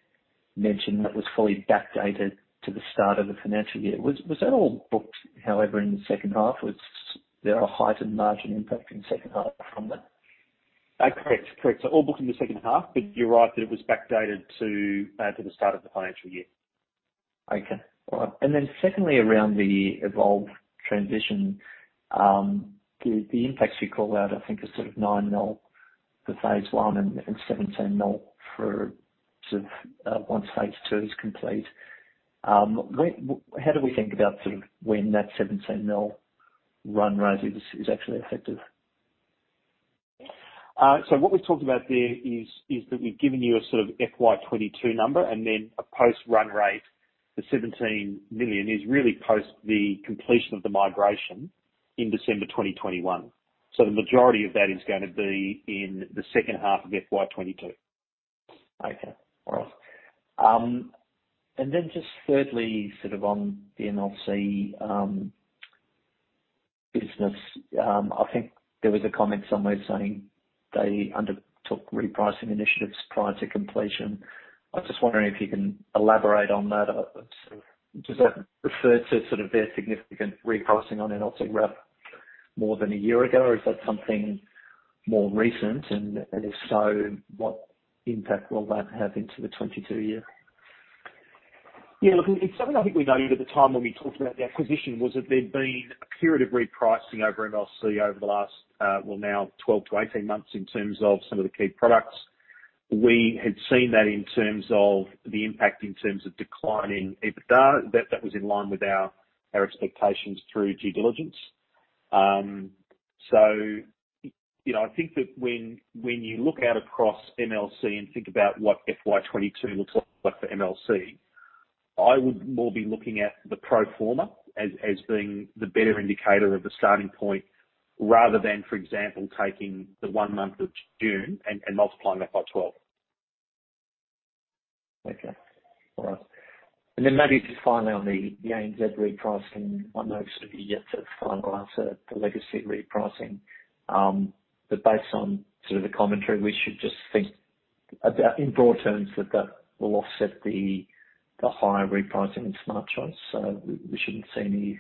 mentioned that was fully backdated to the start of the financial year. Was that all booked, however, in the second half? Was there a heightened margin impact in the second half from that? Correct. All booked in the second half, but you're right that it was backdated to the start of the financial year. Okay. All right. Secondly, around the Evolve transition. The impacts you called out, I think, are sort of 9 million for phase I and 17 million for sort of once phase II is complete. How do we think about sort of when that 17 million run rate is actually effective? What we've talked about there is that we've given you a sort of FY 2022 number and then a post-run rate. The 17 million is really post the completion of the migration in December 2021. The majority of that is going to be in the second half of FY 2022. Okay. All right. Then just thirdly, sort of on the MLC business. I think there was a comment somewhere saying they undertook repricing initiatives prior to completion. I was just wondering if you can elaborate on that. Does that refer to their significant repricing on MLC Wrap more than 1 year ago, or is that something more recent? If so, what impact will that have into the 2022 year? Yeah, look, it's something I think we noted at the time when we talked about the acquisition, was that there'd been a period of repricing over MLC over the last, well, now 12-18 months in terms of some of the key products. We had seen that in terms of the impact, in terms of declining EBITDA. That was in line with our expectations through due diligence. I think that when you look out across MLC and think about what FY 2022 looks like for MLC, I would more be looking at the pro forma as being the better indicator of the starting point, rather than, for example, taking the 1 month of June and multiplying that by 12. Okay. All right. Then maybe just finally on the ANZ repricing. I know you're yet to finalize the legacy repricing. Based on the commentary, we should just think about, in broad terms, that that will offset the higher repricing in Smart Choice, so we shouldn't see any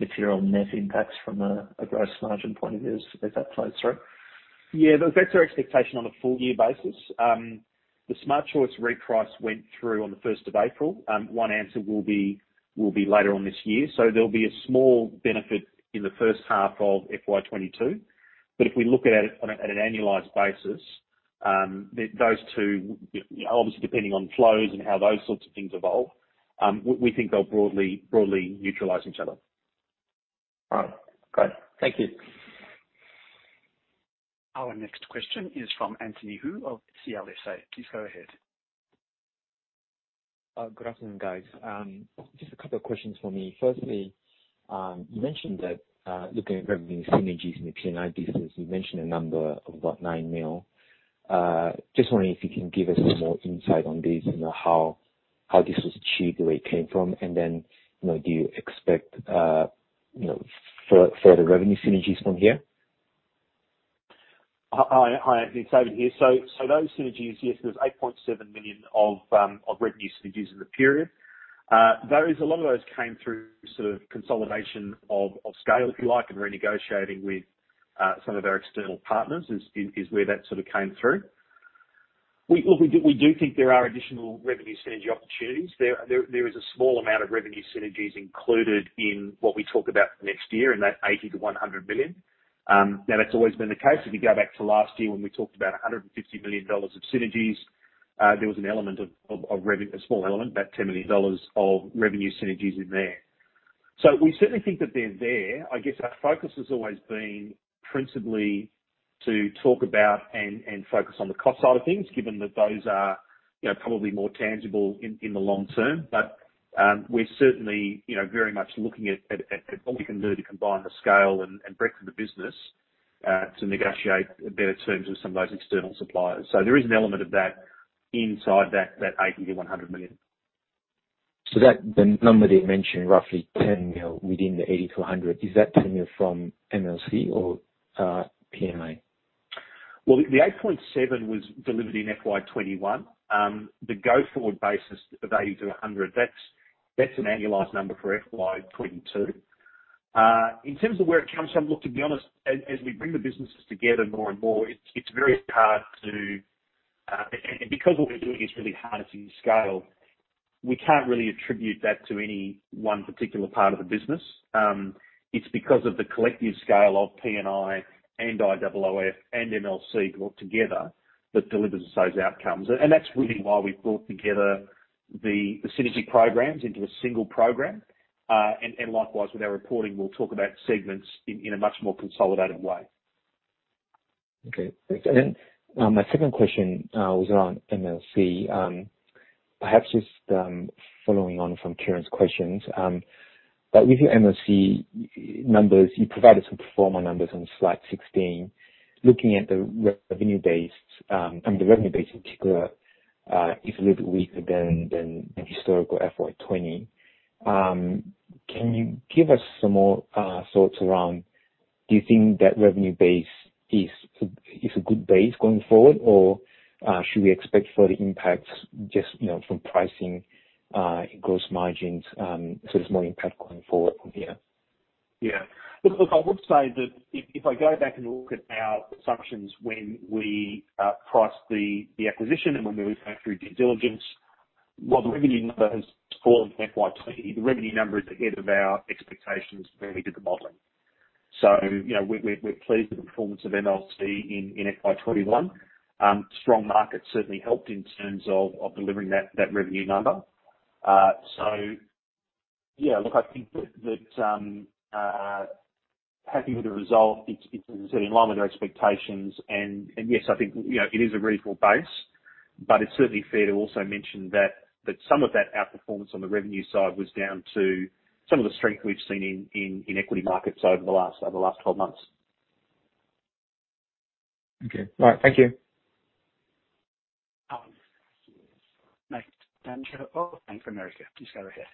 material net impacts from a gross margin point of view as that flows through? Yeah, that's our expectation on a full year basis. The Smart Choice reprice went through on the 1st of April. OneAnswer will be later on this year. There'll be a small benefit in the first half of FY 2022. If we look at it on an annualized basis, those two, obviously depending on flows and how those sorts of things evolve, we think they'll broadly neutralize each other. All right. Great. Thank you. Our next question is from Anthony Hoo of CLSA. Please go ahead. Good afternoon, guys. Just a couple of questions for me. Firstly, you mentioned that looking at revenue synergies in the P&I business, you mentioned a number of what, 9 million. Just wondering if you can give us some more insight on this, how this was achieved, where it came from, and then, do you expect further revenue synergies from here? Hi, Anthony. It's David here. Those synergies, yes, there's 8.7 million of revenue synergies in the period. A lot of those came through consolidation of scale, if you like, and renegotiating with some of our external partners, is where that came through. Look, we do think there are additional revenue synergy opportunities. There is a small amount of revenue synergies included in what we talk about for next year in that 80 million-100 million. That's always been the case. If you go back to last year when we talked about 150 million dollars of synergies, there was a small element, about 10 million dollars, of revenue synergies in there. We certainly think that they're there. I guess our focus has always been principally to talk about and focus on the cost side of things, given that those are probably more tangible in the long term. We're certainly very much looking at what we can do to combine the scale and breadth of the business to negotiate better terms with some of those external suppliers. There is an element of that inside that 80 million-100 million. That, the number that you mentioned, roughly 10 million within the 80 million-100 million, is that 10 million from MLC or P&I? Well, the 8.7 was delivered in FY 2021. The go-forward basis of 80-100, that's an annualized number for FY 2022. In terms of where it comes from, look, to be honest, as we bring the businesses together more and more, because what we're doing is really harnessing scale, we can't really attribute that to any one particular part of the business. It's because of the collective scale of P&I and IOOF and MLC altogether that delivers those outcomes. That's really why we've brought together the synergy programs into a single program. Likewise, with our reporting, we'll talk about segments in a much more consolidated way. Okay. Thanks. Then my second question was around MLC. Perhaps just following on from Kieren's questions, but with your MLC numbers, you provided some pro forma numbers on slide 16. Looking at the revenue base, in particular, is a little bit weaker than the historical FY 2020. Can you give us some more thoughts around, do you think that revenue base is a good base going forward, or should we expect further impacts just from pricing, gross margins, so there's more impact going forward from here? I would say that if I go back and look at our assumptions when we priced the acquisition and when we went through due diligence, while the revenue number has fallen in FY 2020, the revenue number is ahead of our expectations when we did the modeling. We're pleased with the performance of MLC in FY 2021. Strong market certainly helped in terms of delivering that revenue number. I think that I'm happy with the result. It's certainly in line with our expectations. Yes, I think it is a reasonable base, but it's certainly fair to also mention that some of that outperformance on the revenue side was down to some of the strength we've seen in equity markets over the last 12 months. Okay. All right. Thank you. Oh, Bank of America. Please go ahead.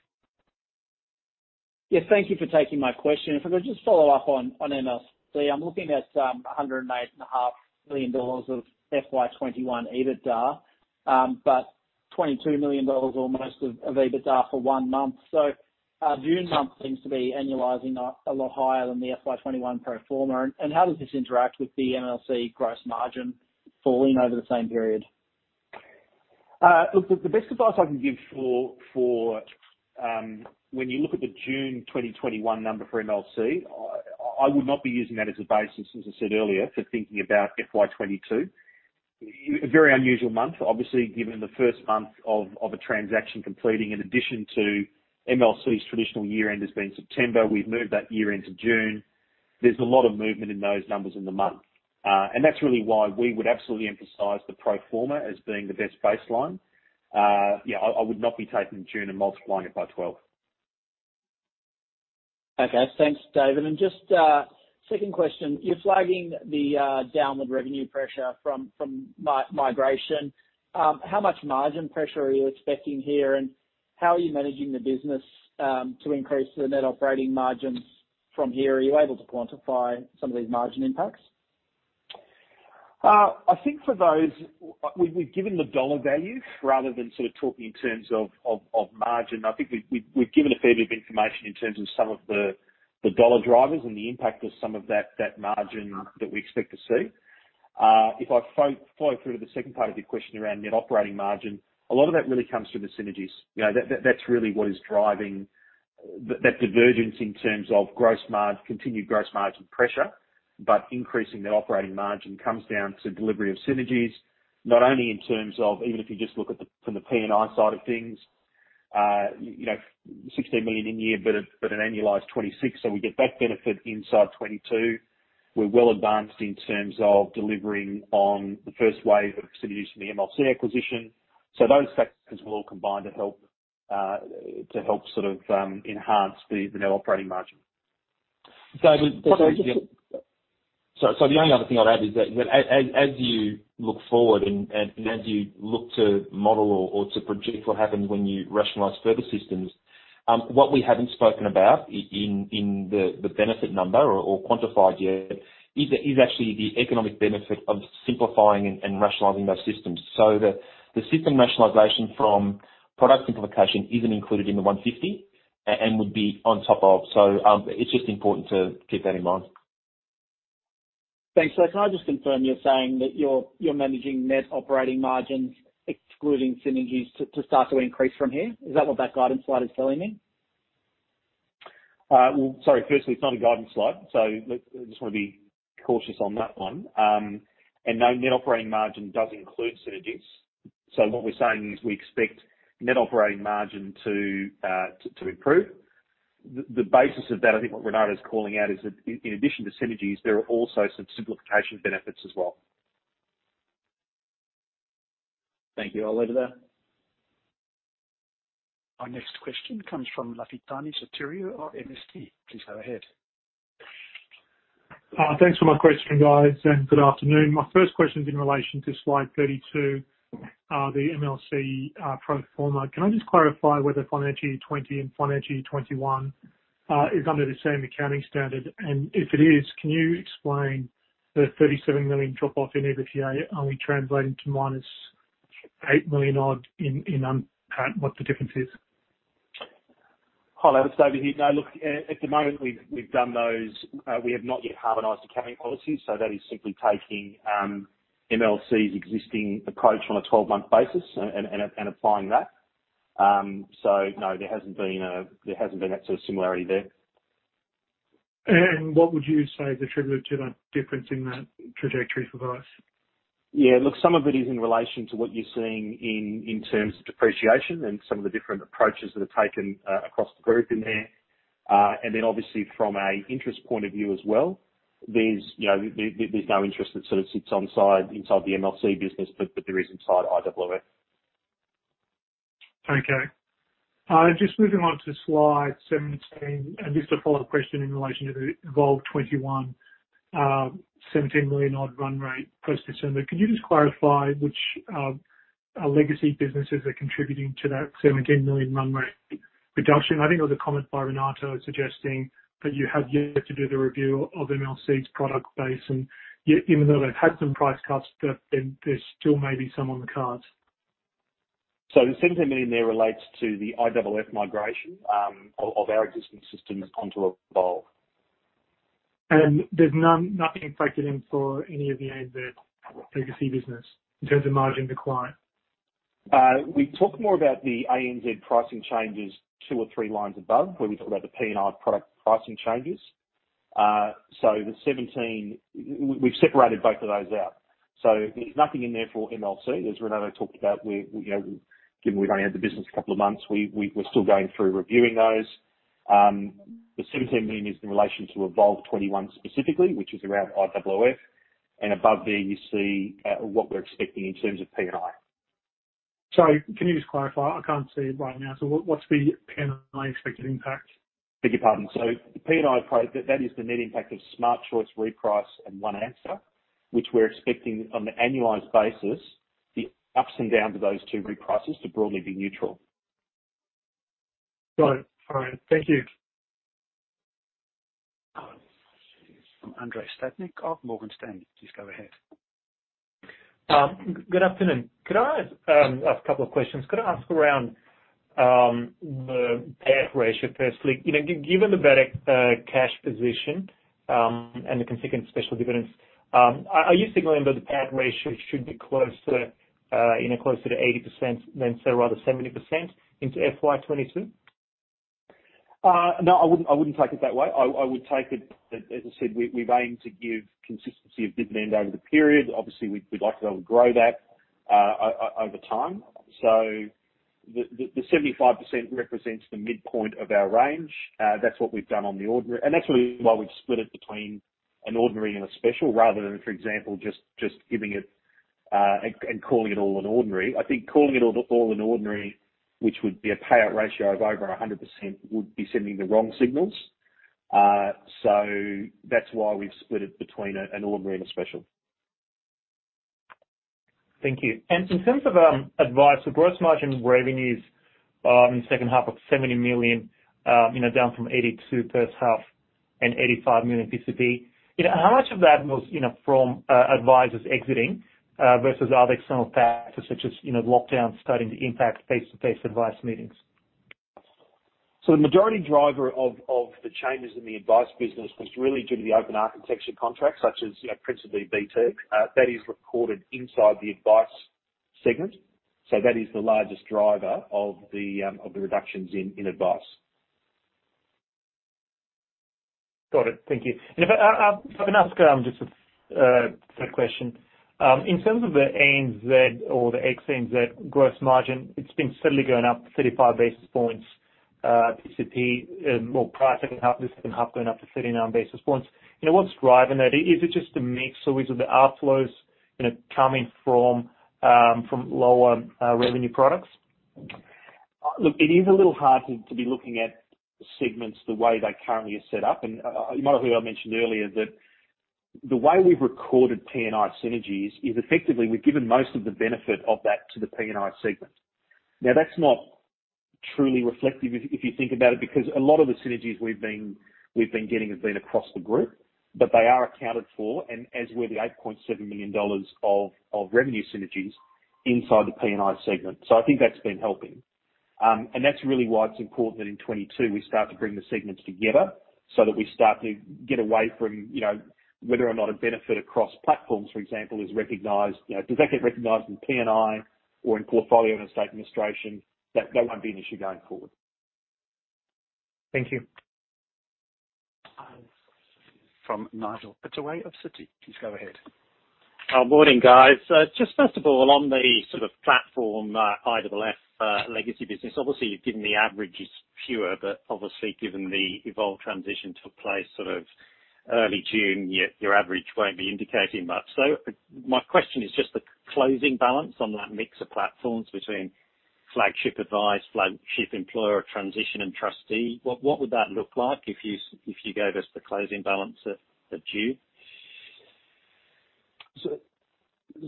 Yeah, thank you for taking my question. If I could just follow up on MLC. I'm looking at 108.5 million dollars of FY 2021 EBITDA, but 22 million dollars or most of EBITDA for one month. June month seems to be annualizing a lot higher than the FY 2021 pro forma. How does this interact with the MLC gross margin falling over the same period? Look, the best advice I can give for when you look at the June 2021 number for MLC, I would not be using that as a basis, as I said earlier, for thinking about FY 2022. A very unusual month, obviously, given the first month of a transaction completing, in addition to MLC's traditional year-end has been September. We've moved that year-end to June. There's a lot of movement in those numbers in the month. That's really why we would absolutely emphasize the pro forma as being the best baseline. I would not be taking June and multiplying it by 12. Okay. Thanks, David. Just a second question. You're flagging the downward revenue pressure from migration. How much margin pressure are you expecting here, and how are you managing the business, to increase the net operating margins from here? Are you able to quantify some of these margin impacts? I think for those, we've given the AUD values rather than sort of talking in terms of margin. I think we've given a fair bit of information in terms of some of the AUD drivers and the impact of some of that margin that we expect to see. If I follow through to the second part of your question around net operating margin, a lot of that really comes from the synergies. That's really what is driving that divergence in terms of continued gross margin pressure. Increasing net operating margin comes down to delivery of synergies, not only in terms of even if you just look at from the P&I side of things. 16 million in a year, but an annualized 26, so we get that benefit inside 2022. We're well advanced in terms of delivering on the first wave of synergies from the MLC acquisition. Those factors will all combine to help sort of, enhance the net operating margin. David- Sorry, the only other thing I'd add is that as you look forward and as you look to model or to predict what happens when you rationalize further systems, what we haven't spoken about in the benefit number or quantified yet is actually the economic benefit of simplifying and rationalizing those systems. The system rationalization from product simplification isn't included in the 150 and would be on top of. It's just important to keep that in mind. Thanks. Can I just confirm you're saying that you're managing net operating margins, excluding synergies, to start to increase from here? Is that what that guidance slide is telling me? Sorry, firstly, it's not a guidance slide, so I just want to be cautious on that one. No net operating margin does include synergies. What we're saying is we expect net operating margin to improve. The basis of that, I think what Renato is calling out, is that in addition to synergies, there are also some simplification benefits as well. Thank you. I'll leave it there. Our next question comes from Lafitani Sotiriou of MST. Please go ahead. Thanks for my question, guys. Good afternoon. My first question is in relation to slide 32, the MLC pro forma. Can I just clarify whether FY 2020 and FY 2021 is under the same accounting standard? If it is, can you explain the 37 million drop-off in EBITDA only translating to minus 8 million odd what the difference is? Hi, Lafi, it's David here. No look, at the moment we've done those, we have not yet harmonized accounting policies. That is simply taking MLC's existing approach on a 12-month basis and applying that. No, there hasn't been that sort of similarity there. What would you say is attributed to that difference in that trajectory for those? Yeah, look, some of it is in relation to what you're seeing in terms of depreciation and some of the different approaches that are taken, across the group in there. Obviously from an interest point of view as well, there's no interest that sort of sits inside the MLC business, but there is inside IOOF. Okay. Just moving on to slide 17, and just a follow-up question in relation to the Evolve21, 17 million odd run rate post December. Could you just clarify which legacy businesses are contributing to that 17 million run rate reduction? I think there was a comment by Renato suggesting that you have yet to do the review of MLC's product base and even though they've had some price cuts, that there still may be some on the cards. The 17 million there relates to the IOOF migration, of our existing systems onto Evolve. There's none, nothing factored in for any of the ANZ legacy business in terms of margin decline. We talk more about the ANZ pricing changes two or three lines above, where we talk about the P&I product pricing changes. We've separated both of those out. There's nothing in there for MLC. As Renato talked about, we're, you know, given we've only had the business a couple of months, we're still going through reviewing those. The 17 million is in relation to Evolve21 specifically, which is around IOOF. Above there you see, what we're expecting in terms of P&I. Sorry, can you just clarify? I can't see it right now. What's the P&I expected impact? Beg your pardon. The P&I price, that is the net impact of Smart Choice reprice and OneAnswer, which we're expecting on the annualized basis, the ups and downs of those two reprices to broadly be neutral. Got it. All right. Thank you. From Andrei Stadnik of Morgan Stanley. Please go ahead. Good afternoon. Could I ask a couple of questions? Could I ask around the payout ratio, firstly? Given the better cash position and the consecutive special dividends, are you signaling that the payout ratio should be closer to 80% than, say, rather 70% into FY22? No, I wouldn't take it that way. I would take it that, as I said, we've aimed to give consistency of dividend over the period. Obviously, we'd like to be able to grow that over time. The 75% represents the midpoint of our range. That's what we've done on the ordinary. Actually, why we've split it between an ordinary and a special rather than, for example, just giving it and calling it all an ordinary. I think calling it all an ordinary, which would be a payout ratio of over 100%, would be sending the wrong signals. That's why we've split it between an ordinary and a special. Thank you. In terms of advice for gross margin revenues in the second half of 70 million, down from 82 million first half and 85 million PCP. How much of that was from advisors exiting versus other external factors such as lockdowns starting to impact face-to-face advice meetings? The majority driver of the changes in the advice business was really due to the open architecture contracts such as principally BT. That is recorded inside the advice segment. That is the largest driver of the reductions in advice. Got it. Thank you. If I can ask just a third question. In terms of the ANZ or the ex-ANZ gross margin, it's been steadily going up 35 basis points PCP, more price second half, this second half going up to 39 basis points. What's driving that? Is it just a mix, or is it the outflows coming from lower revenue products? Look, it is a little hard to be looking at segments the way they currently are set up. You might have heard me mention earlier that the way we've recorded P&I synergies is effectively we've given most of the benefit of that to the P&I segment. That's not truly reflective if you think about it, because a lot of the synergies we've been getting have been across the group, but they are accounted for, and as with the 8.7 million dollars of revenue synergies inside the P&I segment. I think that's been helping. That's really why it's important that in 2022, we start to bring the segments together so that we start to get away from whether or not a benefit across platforms, for example, is recognized. Does that get recognized in P&I or in Portfolio and Estate Administration? That won't be an issue going forward. Thank you. From Nigel Pittaway of Citi. Please go ahead. Morning, guys. Just first of all, on the sort of platform IOOF legacy business, obviously, you've given the average is fewer, but obviously, given the Evolve transition took place sort of early June, your average won't be indicating much. My question is just the closing balance on that mix of platforms between flagship advice, flagship employer transition, and trustee. What would that look like if you gave us the closing balance at June?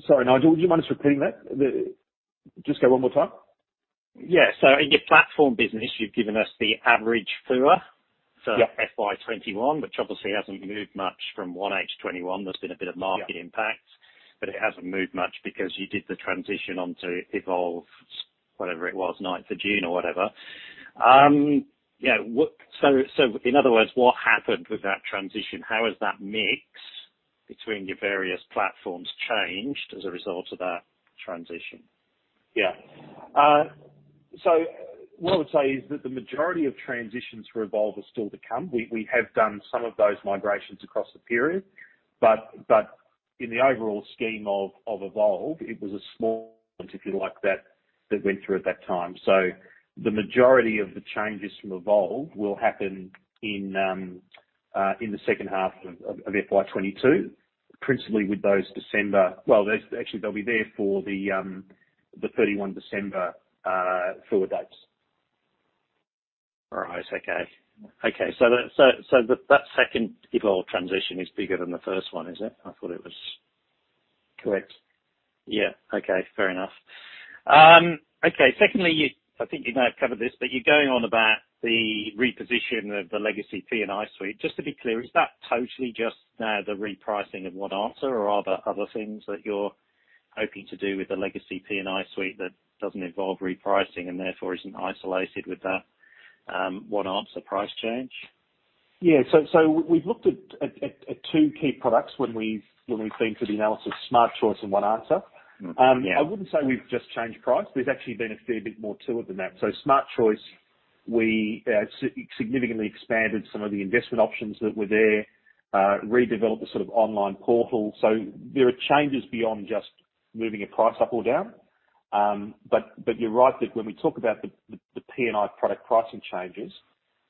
Sorry, Nigel, would you mind just repeating that? Just go one more time. Yeah. In your platform business, you've given us the average FUMA- Yeah for FY21, which obviously hasn't moved much from 1H21. There's been a bit of market impact. Yeah. It hasn't moved much because you did the transition onto Evolve, whatever it was, 9th of June or whatever. Yeah. In other words, what happened with that transition? How has that mix between your various platforms changed as a result of that transition? What I would say is that the majority of transitions for Evolve are still to come. We have done some of those migrations across the period, but in the overall scheme of Evolve, it was a small, if you like, that went through at that time. The majority of the changes from Evolve will happen in the second half of FY 2022, principally with those December Well, actually, they'll be there for the 31st December FUMA dates. All right. Okay. That second Evolve transition is bigger than the first one, is it? I thought it was. Correct. Yeah. Okay. Fair enough. Okay. Secondly, I think you may have covered this, but you're going on about the reposition of the legacy P&I suite. Just to be clear, is that totally just the repricing of OneAnswer or are there other things that you're hoping to do with the legacy P&I suite that doesn't involve repricing and therefore isn't isolated with that OneAnswer price change? Yeah. We've looked at two key products when we've been through the analysis, ANZ Smart Choice and OneAnswer. Yeah. I wouldn't say we've just changed price. There's actually been a fair bit more to it than that. Smart Choice, we significantly expanded some of the investment options that were there, redeveloped the sort of online portal. There are changes beyond just moving a price up or down. You're right that when we talk about the P&I product pricing changes,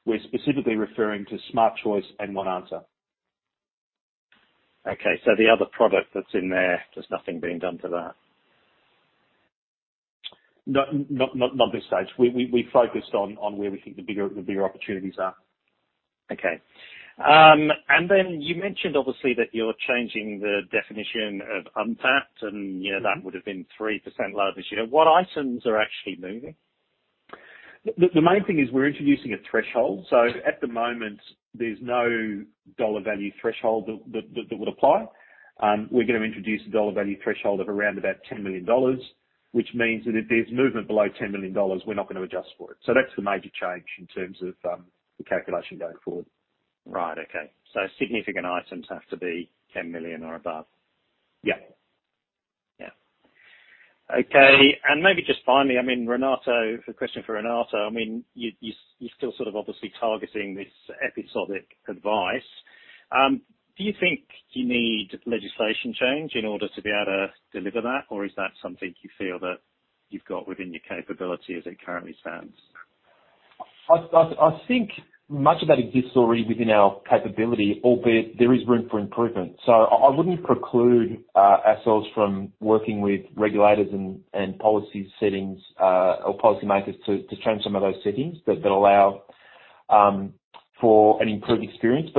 we're specifically referring to Smart Choice and OneAnswer. Okay. The other product that's in there's nothing being done to that? Not this stage. We focused on where we think the bigger opportunities are. Okay. Then you mentioned, obviously, that you're changing the definition of UNPAT, and that would have been 3% lower this year. What items are actually moving? The main thing is we're introducing a threshold. At the moment, there's no dollar value threshold that would apply. We're going to introduce a dollar value threshold of around about 10 million dollars, which means that if there's movement below 10 million dollars, we're not going to adjust for it. That's the major change in terms of the calculation going forward. Right. Okay. Significant items have to be 10 million or above? Yeah. Yeah. Okay. Maybe just finally, a question for Renato. You're still obviously targeting this episodic advice. Do you think you need legislation change in order to be able to deliver that? Or is that something you feel that you've got within your capability as it currently stands? I think much of that exists already within our capability, albeit there is room for improvement. I wouldn't preclude ourselves from working with regulators and policy settings or policymakers to change some of those settings that allow for an improved experience.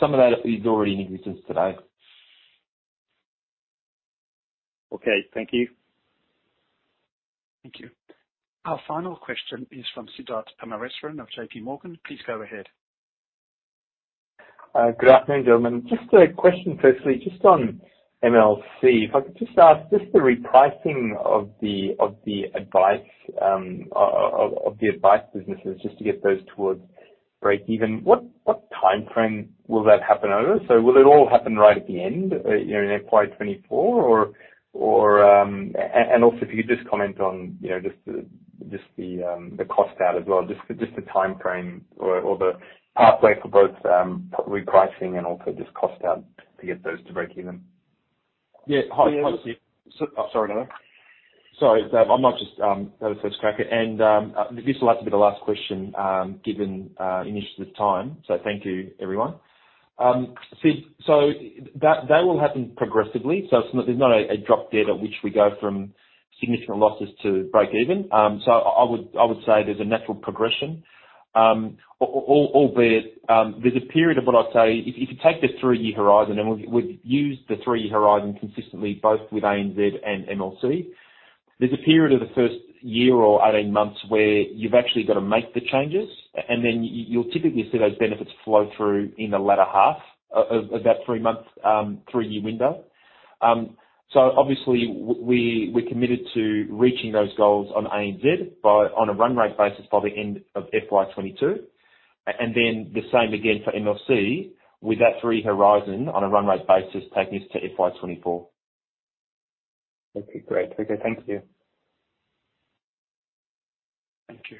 Some of that is already in existence today. Okay. Thank you. Thank you. Our final question is from Siddharth Parameswaran of J.P. Morgan. Please go ahead. Good afternoon, gentlemen. Just a question firstly, just on MLC. If I could just ask, just the repricing of the advice businesses just to get those towards breakeven, what timeframe will that happen over? Will it all happen right at the end in FY 2024? If you could just comment on just the cost out as well. Just the timeframe or the pathway for both repricing and also just cost out to get those to breakeven. Yeah. Hi, Sid. Oh, sorry, Renato here. Sorry, I might just have a quick crack at it. This will have to be the last question, given in the interest of time. Thank you, everyone. Sid, that will happen progressively. There's not a drop dead at which we go from significant losses to breakeven. I would say there's a natural progression. Albeit, there's a period of what I'd say, if you take the three-year horizon, and we've used the three-year horizon consistently, both with ANZ and MLC. There's a period of the first year or 18 months where you've actually got to make the changes, and then you'll typically see those benefits flow through in the latter half of that three-year window. Obviously, we're committed to reaching those goals on ANZ on a run rate basis by the end of FY 2022, and then the same again for MLC with that three horizon on a run rate basis, taking us to FY 2024. Okay, great. Okay, thank you. Thank you.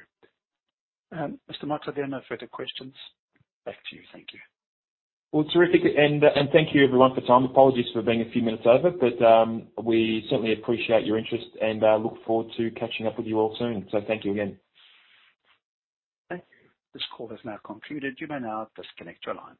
Mr. Mota, there are no further questions. Back to you. Thank you. Well, terrific. Thank you everyone for time. Apologies for being a few minutes over, but, we certainly appreciate your interest and look forward to catching up with you all soon. Thank you again. Thank you. This call has now concluded. You may now disconnect your lines.